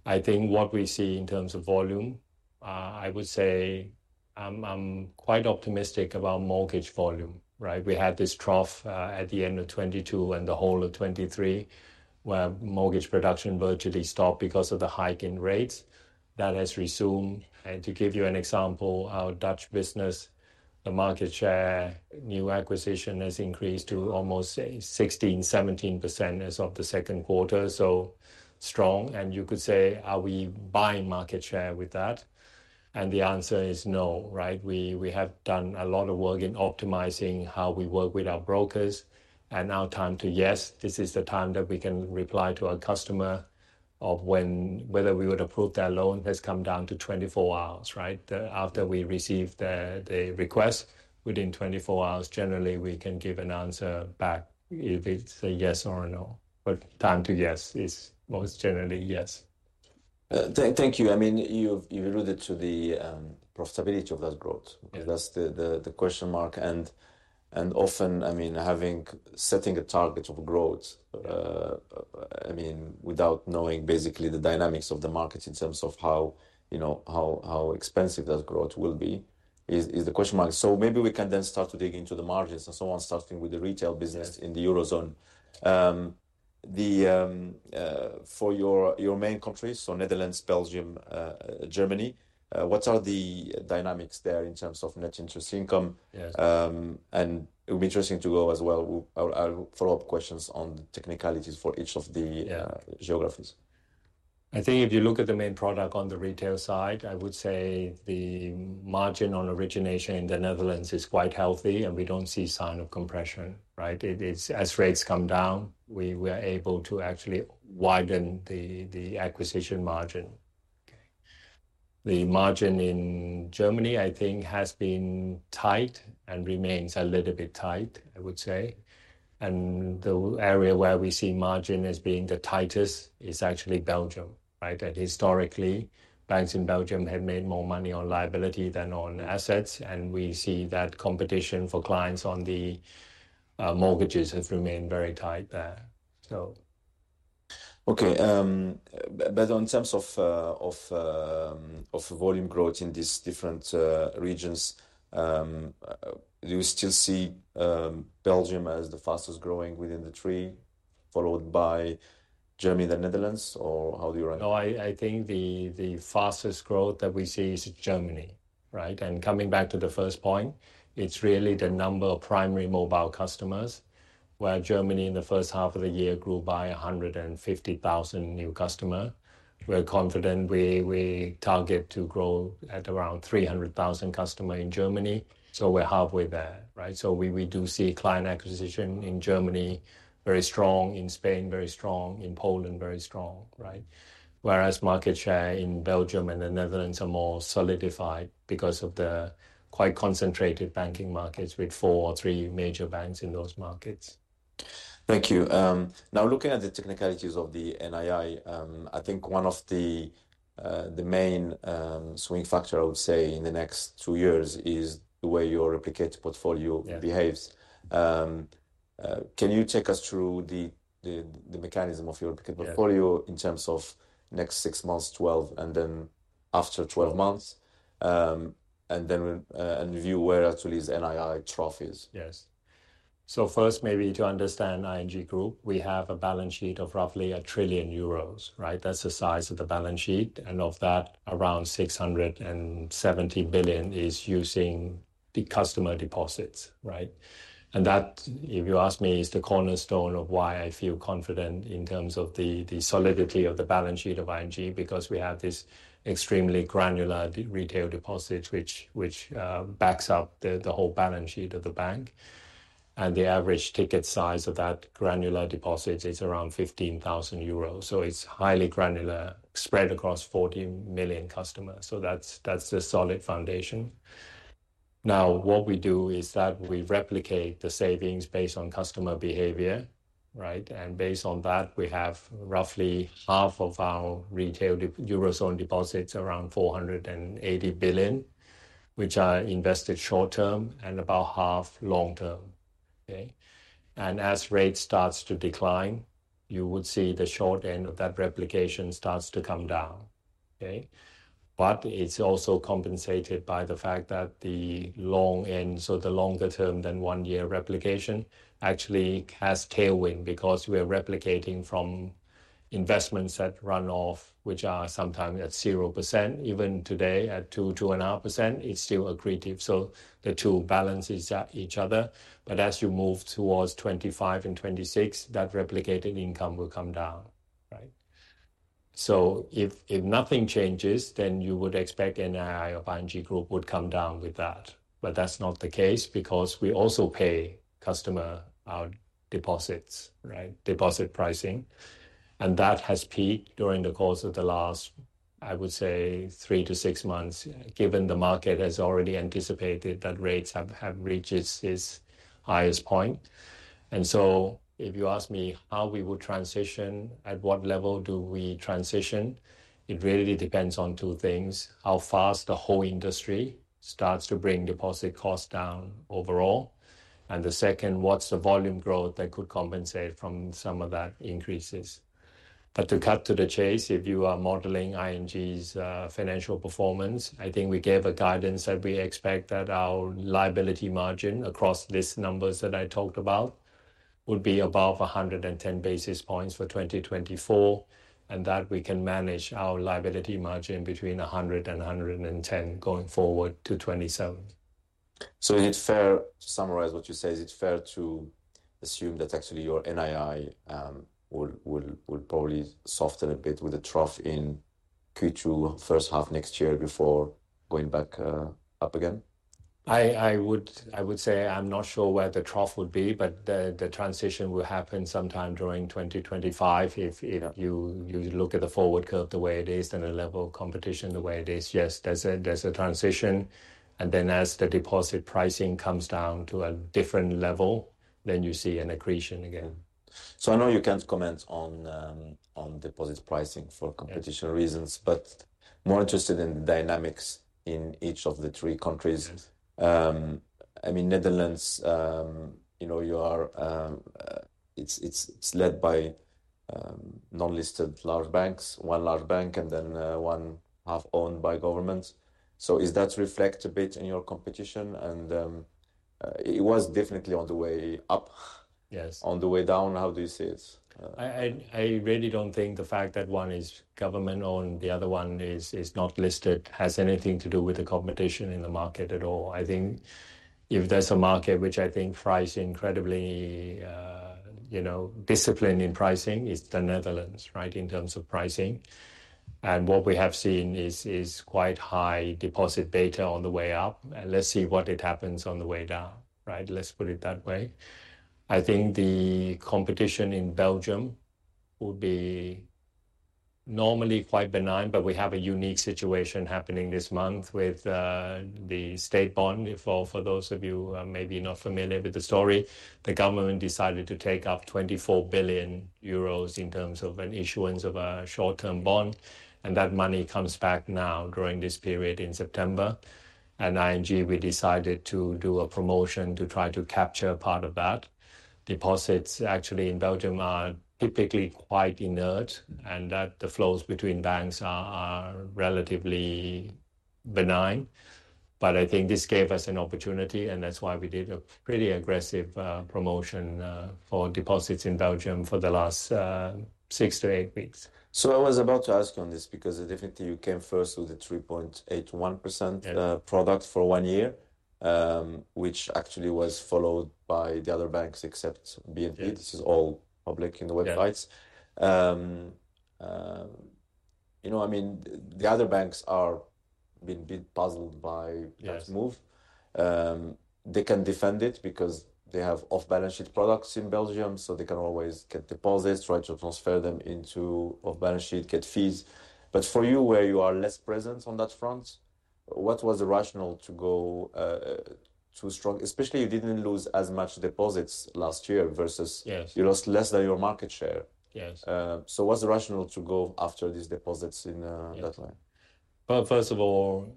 I think what we see in terms of volume, I would say I'm quite optimistic about mortgage volume, right? We had this trough at the end of 2022 and the whole of 2023, where mortgage production virtually stopped because of the hike in rates. That has resumed. And to give you an example, our Dutch business, the market share, new acquisition has increased to almost, say, 16%-17% as of the second quarter, so strong. And you could say, "Are we buying market share with that?" And the answer is no, right? We have done a lot of work in optimizing how we work with our brokers, and our time to yes, this is the time that we can reply to our customer on whether we would approve that loan, has come down to 24 hours, right? After we receive the request, within 24 hours, generally, we can give an answer back if it is a yes or a no, but time to yes is most generally yes. Thank you. I mean, you've alluded to the profitability of that growth. Yes. That's the question mark, and often, I mean, setting a target of growth, I mean, without knowing basically the dynamics of the market in terms of how, you know, how expensive that growth will be, is the question mark. So maybe we can then start to dig into the margins and so on, starting with the retail business in the Eurozone. For your main countries, so Netherlands, Belgium, Germany, what are the dynamics there in terms of net interest income? Yes. It would be interesting to go as well. I'll follow-up questions on the technicalities for each of the- Yeah... geographies. I think if you look at the main product on the retail side, I would say the margin on origination in the Netherlands is quite healthy, and we don't see sign of compression, right? As rates come down, we were able to actually widen the acquisition margin. Okay? The margin in Germany, I think, has been tight and remains a little bit tight, I would say. And the area where we see margin as being the tightest is actually Belgium, right? That historically, banks in Belgium have made more money on liability than on assets, and we see that competition for clients on the mortgages has remained very tight there. Okay, but in terms of volume growth in these different regions, do you still see Belgium as the fastest growing within the three? Followed by Germany, the Netherlands, or how do you rank? No, I think the fastest growth that we see is Germany, right? Coming back to the first point, it's really the number of primary mobile customers, where Germany, in the first half of the year, grew by 150,000 new customers. We're confident we target to grow at around 300,000 customers in Germany, so we're halfway there, right? So we do see client acquisition in Germany very strong, in Spain very strong, in Poland very strong, right? Whereas market share in Belgium and the Netherlands are more solidified because of the quite concentrated banking markets with four or three major banks in those markets. Thank you. Now, looking at the technicalities of the NII, I think one of the main swing factor, I would say, in the next two years is the way your replication portfolio- Yeah... behaves. Can you take us through the mechanism of your replication portfolio- Yeah In terms of next six months, twelve, and then after twelve months, and then we review where actually is NII trough? Yes. So first, maybe to understand ING Group, we have a balance sheet of roughly 1 trillion euros, right? That's the size of the balance sheet, and of that, around 670 billion is using the customer deposits, right? And that, if you ask me, is the cornerstone of why I feel confident in terms of the solidity of the balance sheet of ING, because we have this extremely granular retail deposits, which backs up the whole balance sheet of the bank. And the average ticket size of that granular deposits is around 15,000 euros, so it's highly granular, spread across 40 million customers. So that's a solid foundation. Now, what we do is that we replicate the savings based on customer behavior, right? And based on that, we have roughly half of our retail Eurozone deposits, around 480 billion, which are invested short term, and about half long term. Okay? And as rate starts to decline, you would see the short end of that replication starts to come down, okay? But it's also compensated by the fact that the long end, so the longer term than one-year replication, actually has tailwind, because we're replicating from investments that run off, which are sometimes at 0%. Even today, at 2, 2.5%, it's still accretive, so the two balances out each other. But as you move towards 2025 and 2026, that replicated income will come down, right? So if nothing changes, then you would expect NII of ING Group would come down with that. But that's not the case, because we also pay customers for deposits, right, deposit pricing, and that has peaked during the course of the last, I would say, three to six months, given the market has already anticipated that rates have reached its highest point. And so, if you ask me how we will transition, at what level do we transition, it really depends on two things: How fast the whole industry starts to bring deposit costs down overall, and the second, what's the volume growth that could compensate for some of that increases? But to cut to the chase, if you are modeling ING's financial performance, I think we gave a guidance that we expect that our liability margin across these numbers that I talked about would be above a hundred and ten basis points for 2024, and that we can manage our liability margin between a 100 and 110 going forward to 2027. So is it fair to summarize what you said? Is it fair to assume that actually your NII will probably soften a bit with the trough in Q2, first half next year, before going back up again? I would say I'm not sure where the trough would be, but the transition will happen sometime during 2025. If you look at the forward curve the way it is and the level of competition the way it is, yes, there's a transition, and then as the deposit pricing comes down to a different level, then you see an accretion again. So I know you can't comment on deposit pricing for competitive reasons- Yeah... but more interested in the dynamics in each of the three countries. I mean, Netherlands, you know, you are, it's led by non-listed large banks, one large bank, and then, one half-owned by government. So is that reflect a bit in your competition? And, it was definitely on the way up- Yes... on the way down. How this is? I really don't think the fact that one is government-owned, the other one is not listed, has anything to do with the competition in the market at all. I think if there's a market which I think prices incredibly, you know, disciplined in pricing, it's the Netherlands, right, in terms of pricing. And what we have seen is quite high deposit beta on the way up, and let's see what it happens on the way down, right? Let's put it that way. I think the competition in Belgium would be normally quite benign, but we have a unique situation happening this month with the state bond. For those of you who are maybe not familiar with the story, the government decided to take up 24 billion euros in terms of an issuance of a short-term bond, and that money comes back now, during this period in September. At ING, we decided to do a promotion to try to capture part of that. Deposits actually in Belgium are typically quite inert, and that the flows between banks are relatively benign, but I think this gave us an opportunity, and that's why we did a pretty aggressive promotion for deposits in Belgium for the last six to eight weeks. So I was about to ask you on this, because definitely you came first with the 3.81%- Yes Product for one year. Which actually was followed by the other banks, except BNP. Yes. This is all public in the websites. Yeah. You know what I mean? The other banks are being a bit puzzled by this move. Yes. They can defend it because they have off-balance sheet products in Belgium, so they can always get deposits, try to transfer them into off-balance sheet, get fees. But for you, where you are less present on that front, what was the rationale to go too strong? Especially you didn't lose as much deposits last year versus- Yes. You lost less than your market share. Yes. So what's the rationale to go after these deposits in that way? First of all,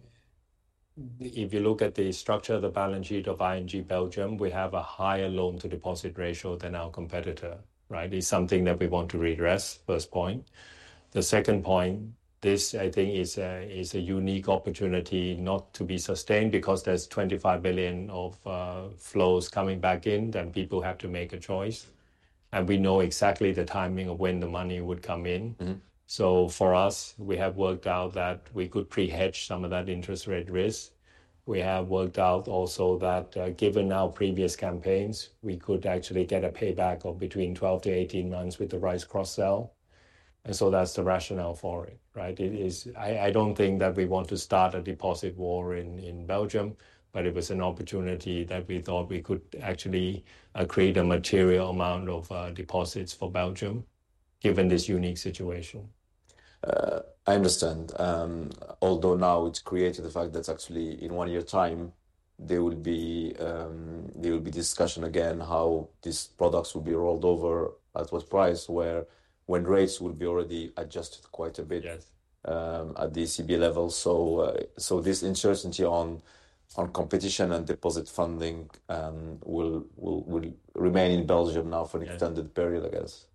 if you look at the structure of the balance sheet of ING Belgium, we have a higher loan-to-deposit ratio than our competitor, right? It's something that we want to readdress, first point. The second point, this, I think, is a unique opportunity not to be sustained because there's 25 billion of flows coming back in, then people have to make a choice, and we know exactly the timing of when the money would come in. Mm-hmm. So for us, we have worked out that we could pre-hedge some of that interest rate risk. We have worked out also that, given our previous campaigns, we could actually get a payback of between 12 months to 18 months with the rise cross-sell, and so that's the rationale for it, right? It is. I don't think that we want to start a deposit war in Belgium, but it was an opportunity that we thought we could actually create a material amount of deposits for Belgium, given this unique situation. I understand. Although now it's created the fact that actually in one year's time, there will be discussion again how these products will be rolled over, at what price, where, when rates will be already adjusted quite a bit- Yes... at the ECB level. So, this uncertainty on competition and deposit funding will remain in Belgium now for an- Yes Extended period, I guess?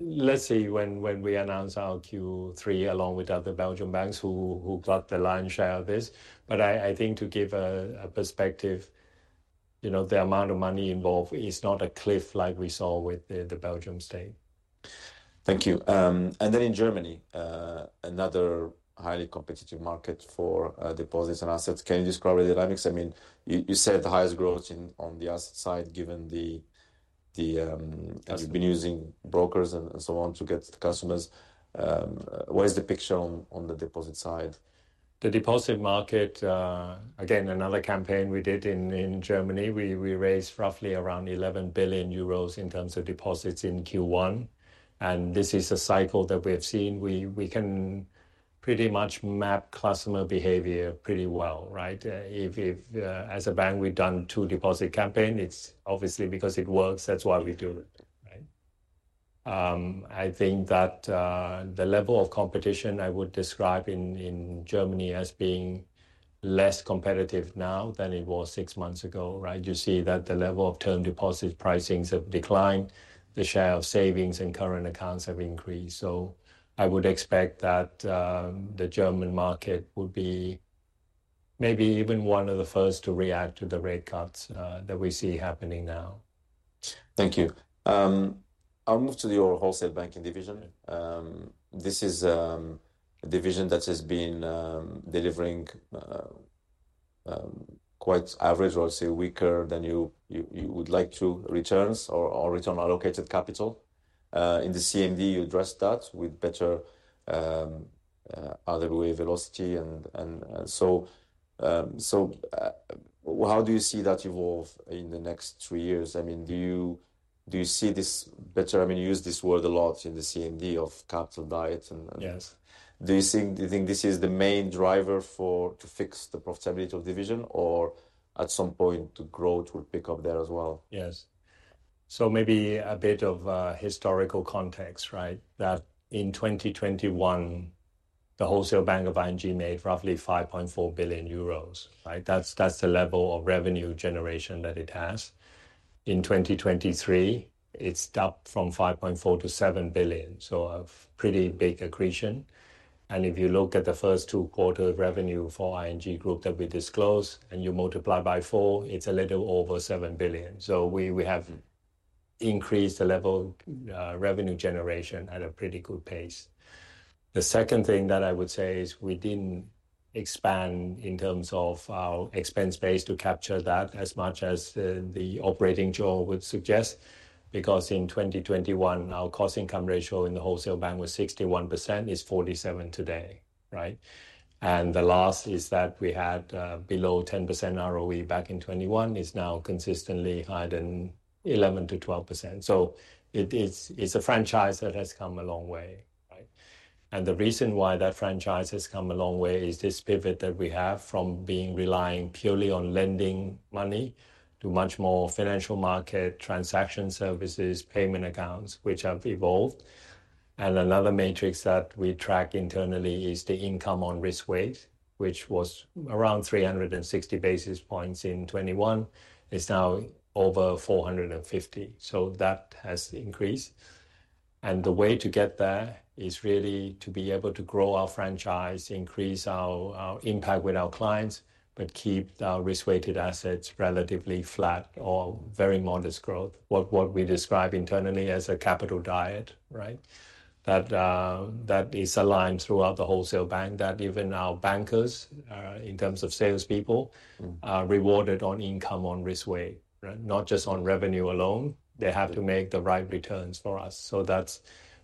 Let's see when we announce our Q3, along with other Belgian banks who got the lion's share of this. But I think to give a perspective, you know, the amount of money involved is not a cliff like we saw with the Belgian state. Thank you. And then in Germany, another highly competitive market for deposits and assets. Can you describe the dynamics? I mean, you said the highest growth in on the asset side, You've been using brokers and so on to get the customers. Where's the picture on the deposit side? The deposit market, again, another campaign we did in Germany. We raised roughly around 11 billion euros in terms of deposits in Q1, and this is a cycle that we have seen. We can pretty much map customer behavior pretty well, right? If as a bank, we've done two deposit campaign, it's obviously because it works. That's why we do it, right? I think that the level of competition I would describe in Germany as being less competitive now than it was six months ago, right? You see that the level of term deposit pricings have declined. The share of savings and current accounts have increased. So I would expect that the German market would be maybe even one of the first to react to the rate cuts that we see happening now. Thank you. I'll move to your wholesale banking division. This is a division that has been delivering quite average or say, weaker than you would like to returns or return allocated capital. In the CMD, you addressed that with better RWA velocity and so, how do you see that evolve in the next three years? I mean, do you see this better? I mean, you use this word a lot in the CMD of capital diet, and... Yes. Do you think this is the main driver for to fix the profitability of division or at some point, the growth will pick up there as well? Yes. So maybe a bit of historical context, right? That in 2021, the wholesale bank of ING made roughly 5.4 billion euros, right? That's the level of revenue generation that it has. In 2023, it's up from 5.4 billion to 7 billion, so a pretty big accretion. And if you look at the first two quarter of revenue for ING Group that we disclosed, and you multiply by four, it's a little over 7 billion. So we have increased the level, revenue generation at a pretty good pace. The second thing that I would say is we didn't expand in terms of our expense base to capture that as much as the operating jaws would suggest, because in 2021, our cost income ratio in the wholesale bank was 61%. It's 47% today, right? And the last is that we had below 10% ROE back in 2021, is now consistently higher than 11%-12%. So it is, it's a franchise that has come a long way, right? And the reason why that franchise has come a long way is this pivot that we have from being relying purely on lending money to much more financial market, transaction services, payment accounts, which have evolved. And another metric that we track internally is the income on risk weight, which was around 360 basis points in 2021. It's now over 450, so that has increased. And the way to get there is really to be able to grow our franchise, increase our impact with our clients, but keep our risk-weighted assets relatively flat or very modest growth. What we describe internally as a capital diet, right? That is aligned throughout the wholesale bank, that even our bankers in terms of salespeople are rewarded on income, on risk weight, right? Not just on revenue alone. Yeah. They have to make the right returns for us. So that's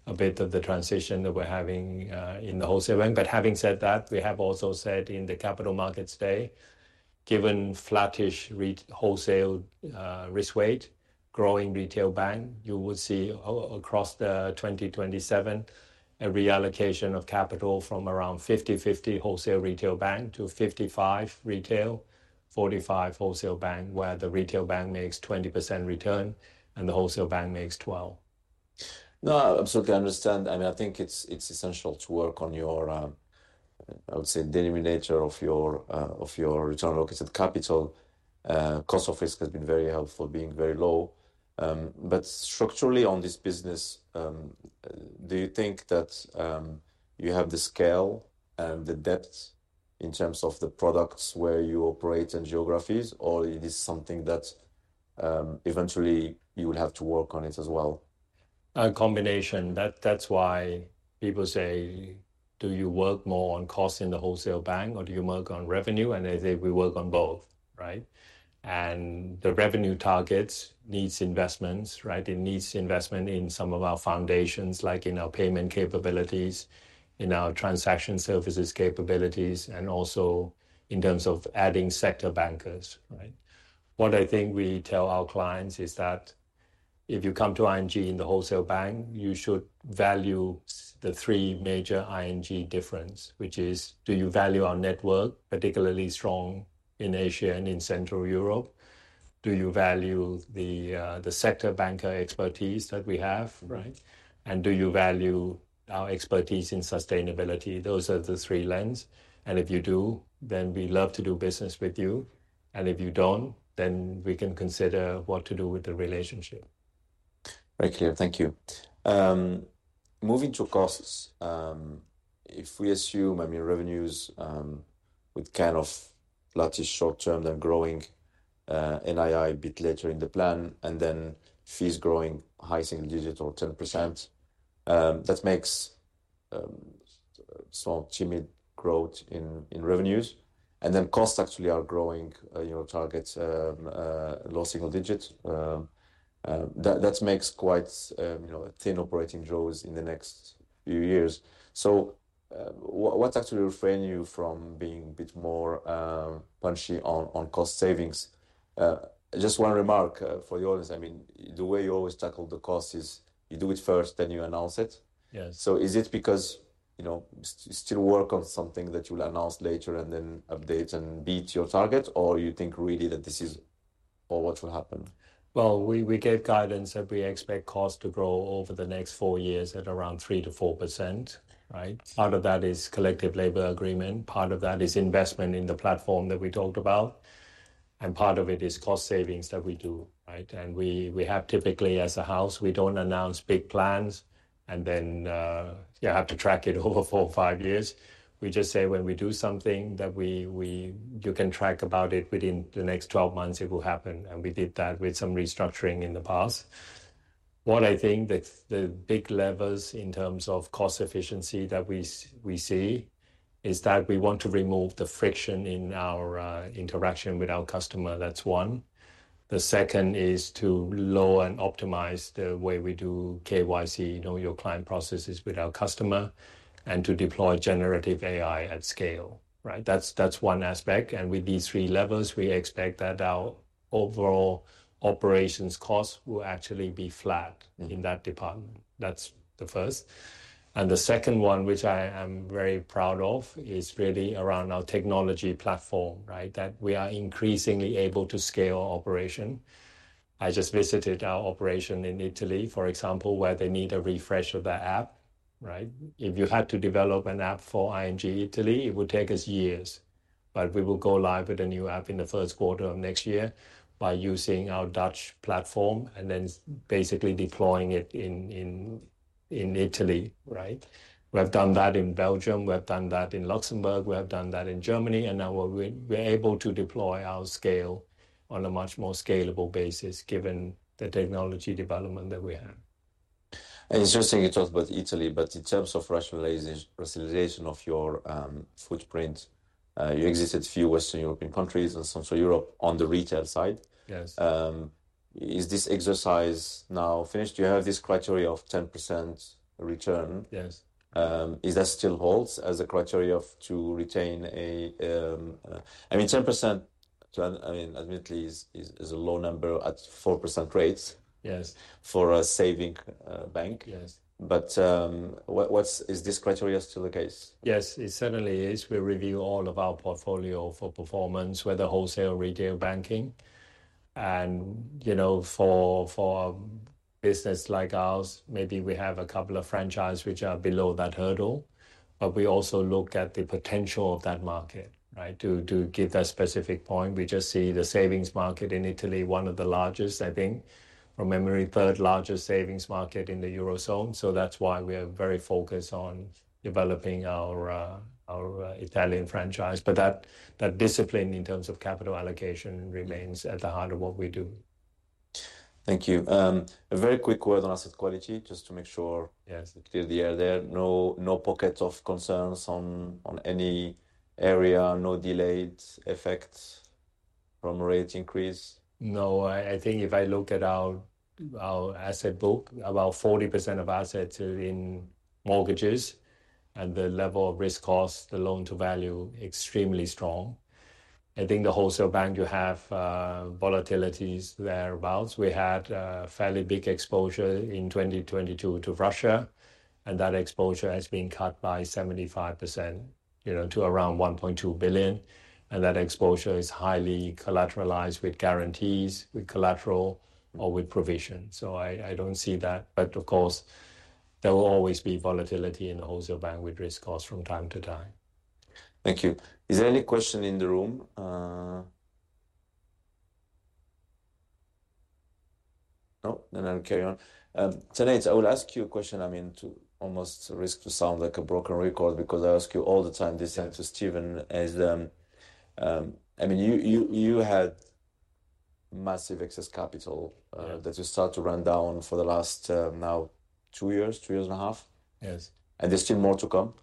a bit of the transition that we're having in the wholesale bank. But having said that, we have also said in the Capital Markets Day, given flattish wholesale risk weight, growing retail bank, you would see across the 2027, a reallocation of capital from around 50-50 wholesale retail bank to 55 retail, 45 wholesale bank, where the retail bank makes 20% return and the wholesale bank makes 12%. No, I absolutely understand. I mean, I think it's essential to work on your, I would say, denominator of your return on equity, CET1 capital. Cost of risk has been very helpful, being very low. But structurally on this business, do you think that you have the scale and the depth in terms of the products where you operate in geographies, or it is something that eventually you will have to work on it as well? A combination. That's why people say: Do you work more on cost in the wholesale bank, or do you work on revenue? And I say, "We work on both," right? And the revenue targets needs investments, right? It needs investment in some of our foundations, like in our payment capabilities, in our transaction services capabilities, and also in terms of adding sector bankers, right? What I think we tell our clients is that if you come to ING in the wholesale bank, you should value the three major ING difference, which is, do you value our network, particularly strong in Asia and in Central Europe? Do you value the sector banker expertise that we have, right? Do you value our expertise in sustainability? Those are the three lenses, and if you do, then we love to do business with you, and if you don't, then we can consider what to do with the relationship. Very clear. Thank you. Moving to costs, if we assume, I mean, revenues, with kind of flattish short term, then growing, NII a bit later in the plan, and then fees growing high single digit or 10%, that makes small, timid growth in revenues. And then costs actually are growing, your targets, low single digits. That makes quite, you know, a thin operating growth in the next few years. So, what actually restrains you from being a bit more punchy on cost savings? Just one remark, for you, I mean, the way you always tackle the cost is you do it first, then you announce it. Yes. So is it because, you know, you still work on something that you will announce later and then update and beat your target, or you think really that this is what will happen? We gave guidance that we expect cost to grow over the next four years at around 3%-4%, right? Part of that is collective labor agreement, part of that is investment in the platform that we talked about, and part of it is cost savings that we do, right? And we have typically, as a house, we don't announce big plans, and then you have to track it over four or five years. We just say when we do something that you can track about it within the next 12 months, it will happen, and we did that with some restructuring in the past. What I think the big levers in terms of cost efficiency that we see is that we want to remove the friction in our interaction with our customer. That's one. The second is to lower and optimize the way we do KYC, you know, Know Your Customer processes with our customer, and to deploy generative AI at scale, right? That's, that's one aspect, and with these three levels, we expect that our overall operations costs will actually be flat in that department. That's the first. And the second one, which I am very proud of, is really around our technology platform, right? That we are increasingly able to scale operation. I just visited our operation in Italy, for example, where they need a refresh of the app, right? If you had to develop an app for ING Italy, it would take us years, but we will go live with a new app in the first quarter of next year by using our Dutch platform and then basically deploying it in Italy, right? We have done that in Belgium, we have done that in Luxembourg, we have done that in Germany, and now we're able to deploy our scale on a much more scalable basis given the technology development that we have. It's interesting you talked about Italy, but in terms of rationalization of your footprint, you exited a few Western European countries and Central Europe on the retail side. Yes. Is this exercise now finished? Do you have this criteria of 10% return? Yes. Is that still holds as a criteria of to retain a? I mean, 10% to an. I mean, admittedly is a low number at 4% rates. Yes... for a savings bank. Yes. Is this criteria still the case? Yes, it certainly is. We review all of our portfolio for performance, whether wholesale or retail banking. And, you know, for a big business like ours, maybe we have a couple of franchise which are below that hurdle, but we also look at the potential of that market, right? To give that specific point, we just see the savings market in Italy, one of the largest, I think, from memory, third largest savings market in the Eurozone. So that's why we are very focused on developing our Italian franchise. But that discipline in terms of capital allocation remains at the heart of what we do. Thank you. A very quick word on asset quality, just to make sure- Yes Clear the air there. No, no pockets of concerns on any area, no delayed effects from rate increase? No, I think if I look at our asset book, about 40% of assets are in mortgages, and the level of risk cost, the loan-to-value, extremely strong. I think the Wholesale Bank, you have volatilities thereabouts. We had a fairly big exposure in 2022 to Russia, and that exposure has been cut by 75%, you know, to around 1.2 billion, and that exposure is highly collateralized with guarantees, with collateral or with provision. So I don't see that. But of course, there will always be volatility in the Wholesale Bank with risk costs from time to time. Thank you. Is there any question in the room? No? Then I'll carry on. Tonight, I will ask you a question, I mean, to almost risk to sound like a broken record, because I ask you all the time this, and to Steven, as, I mean, you had massive excess capital- Yes that you start to run down for the last, now two years and a half. Yes. And there's still more to come,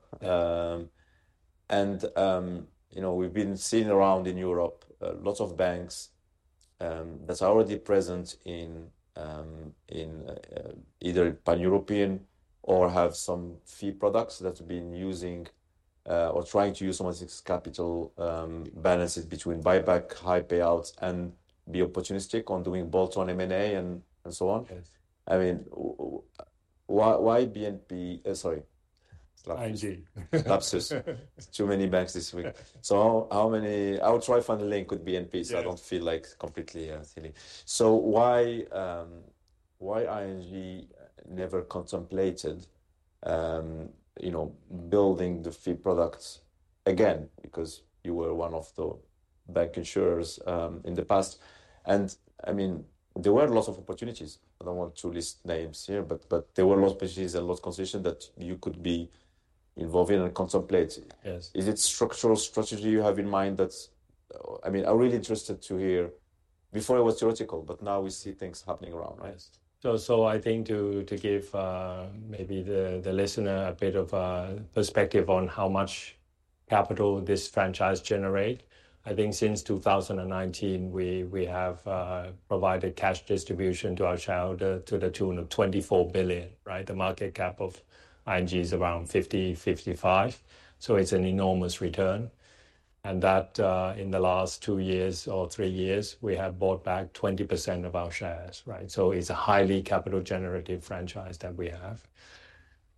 and you know, we've been seeing around in Europe lots of banks that's already present in either pan-European or have some fee products that have been using or trying to use some of this capital balances between buyback, high payouts, and be opportunistic on doing bolt-on M&A and so on. Yes. I mean, why, why BNP... Sorry. ING. There's too many banks this week. Yeah. I will try to find a link with BNP. Yes So I don't feel like completely silly. So why ING never contemplated, you know, building the fee products again? Because you were one of the bancassurers in the past. And I mean, there were a lot of opportunities. I don't want to list names here, but there were a lot of opportunities and a lot of consideration that you could be involved in and contemplate. Yes. Is it structural strategy you have in mind that's... I mean, I'm really interested to hear. Before it was theoretical, but now we see things happening around, right? Yes. So I think to give maybe the listener a bit of a perspective on how much capital this franchise generate, I think since 2019, we have provided cash distribution to our shareholder to the tune of 24 billion, right? The market cap of ING is around 50 billion-55 billion, so it's an enormous return. And that in the last two years or three years, we have bought back 20% of our shares, right? So it's a highly capital generative franchise that we have.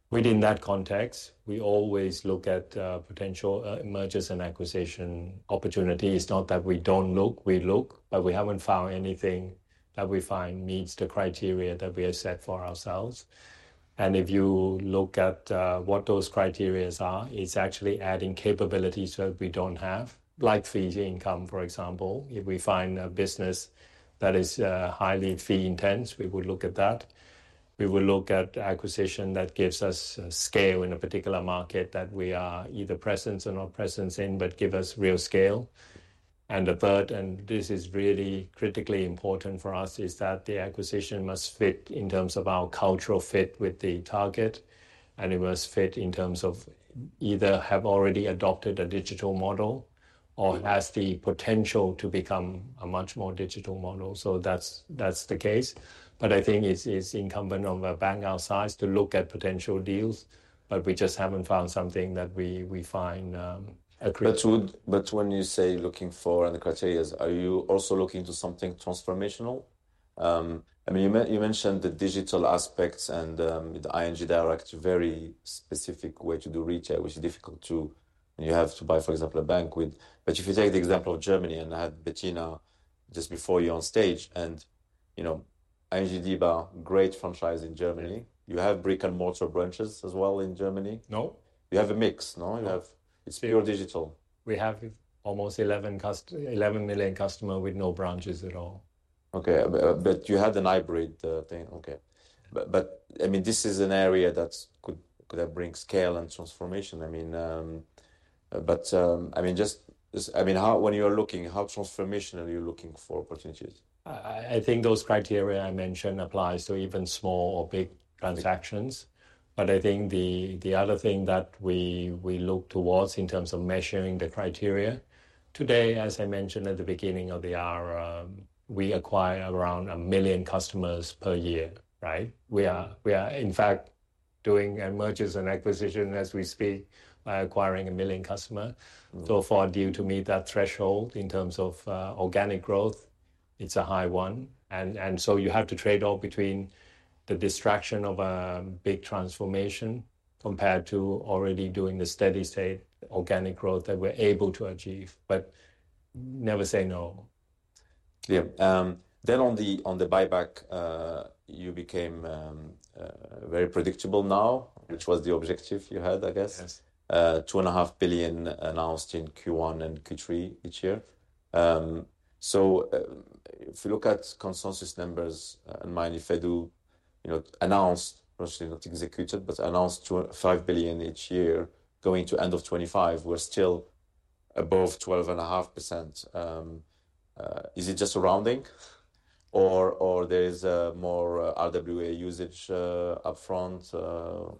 Within that context, we always look at potential mergers and acquisition opportunity. It's not that we don't look, we look, but we haven't found anything that we find meets the criteria that we have set for ourselves. And if you look at what those criteria are, it's actually adding capabilities that we don't have, like fee income, for example. If we find a business that is highly fee intensive, we would look at that. We will look at acquisition that gives us scale in a particular market that we are either present or not present in, but give us real scale. And the third, and this is really critically important for us, is that the acquisition must fit in terms of our cultural fit with the target, and it must fit in terms of either have already adopted a digital model or has the potential to become a much more digital model. So that's the case. But I think it's incumbent on a bank our size to look at potential deals, but we just haven't found something that we find appropriate. But when you say looking for, and the criteria, are you also looking to something transformational? I mean, you mentioned the digital aspects and, the ING Direct, very specific way to do retail, which is difficult to. You have to buy, for example, a bank. But if you take the example of Germany, and I had Bettina just before you on stage, and, you know, ING DiBa, great franchise in Germany. You have brick-and-mortar branches as well in Germany? No. You have a mix, no? It's pure digital? We have almost 11 million customers with no branches at all. Okay, but you had a hybrid thing. Okay. But I mean, this is an area that could bring scale and transformation. When you are looking, how transformational are you looking for opportunities? I think those criteria I mentioned apply to even small or big transactions. But I think the other thing that we look towards in terms of measuring the criteria, today, as I mentioned at the beginning of the hour, we acquire around a million customers per year, right? We are in fact doing a merger and acquisition as we speak by acquiring a million customers. So for a deal to meet that threshold in terms of organic growth, it's a high one, and so you have to trade off between the distraction of a big transformation compared to already doing the steady state organic growth that we're able to achieve. But never say no. Clear. Then on the buyback, you became very predictable now, which was the objective you had, I guess? Yes. 2.5 billion announced in Q1 and Q3 each year. So, if you look at consensus numbers in mind, if I do, you know, announced, mostly not executed, but announced 2.5 billion each year, going to end of 2025, we're still above 12.5%. Is it just a rounding or there is more RWA usage upfront?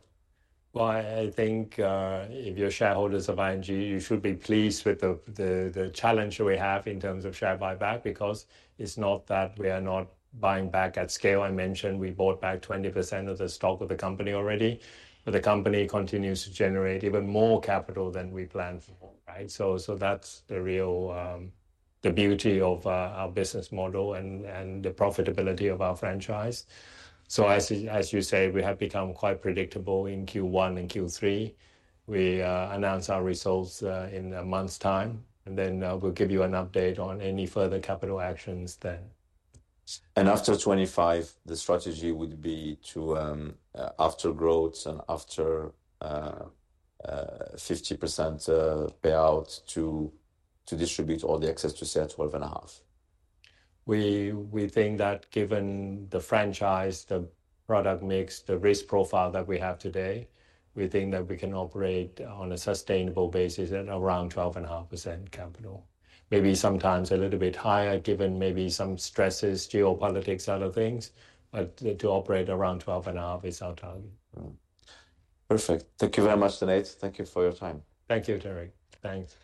I think if you're shareholders of ING, you should be pleased with the challenge we have in terms of share buyback, because it's not that we are not buying back at scale. I mentioned we bought back 20% of the stock of the company already, but the company continues to generate even more capital than we planned for, right? So that's the real the beauty of our business model and the profitability of our franchise. So as you say, we have become quite predictable in Q1 and Q3. We announce our results in a month's time, and then we'll give you an update on any further capital actions then. And after 2025, the strategy would be to, after growth and 50% payout, to distribute all the excess to say 12.5%? We think that given the franchise, the product mix, the risk profile that we have today, we think that we can operate on a sustainable basis at around 12.5% capital. Maybe sometimes a little bit higher, given maybe some stresses, geopolitics, other things, but to operate around 12.5% is our target. Mm-hmm. Perfect. Thank you very much, Tanate. Thank you for your time. Thank you, Tarik. Thanks.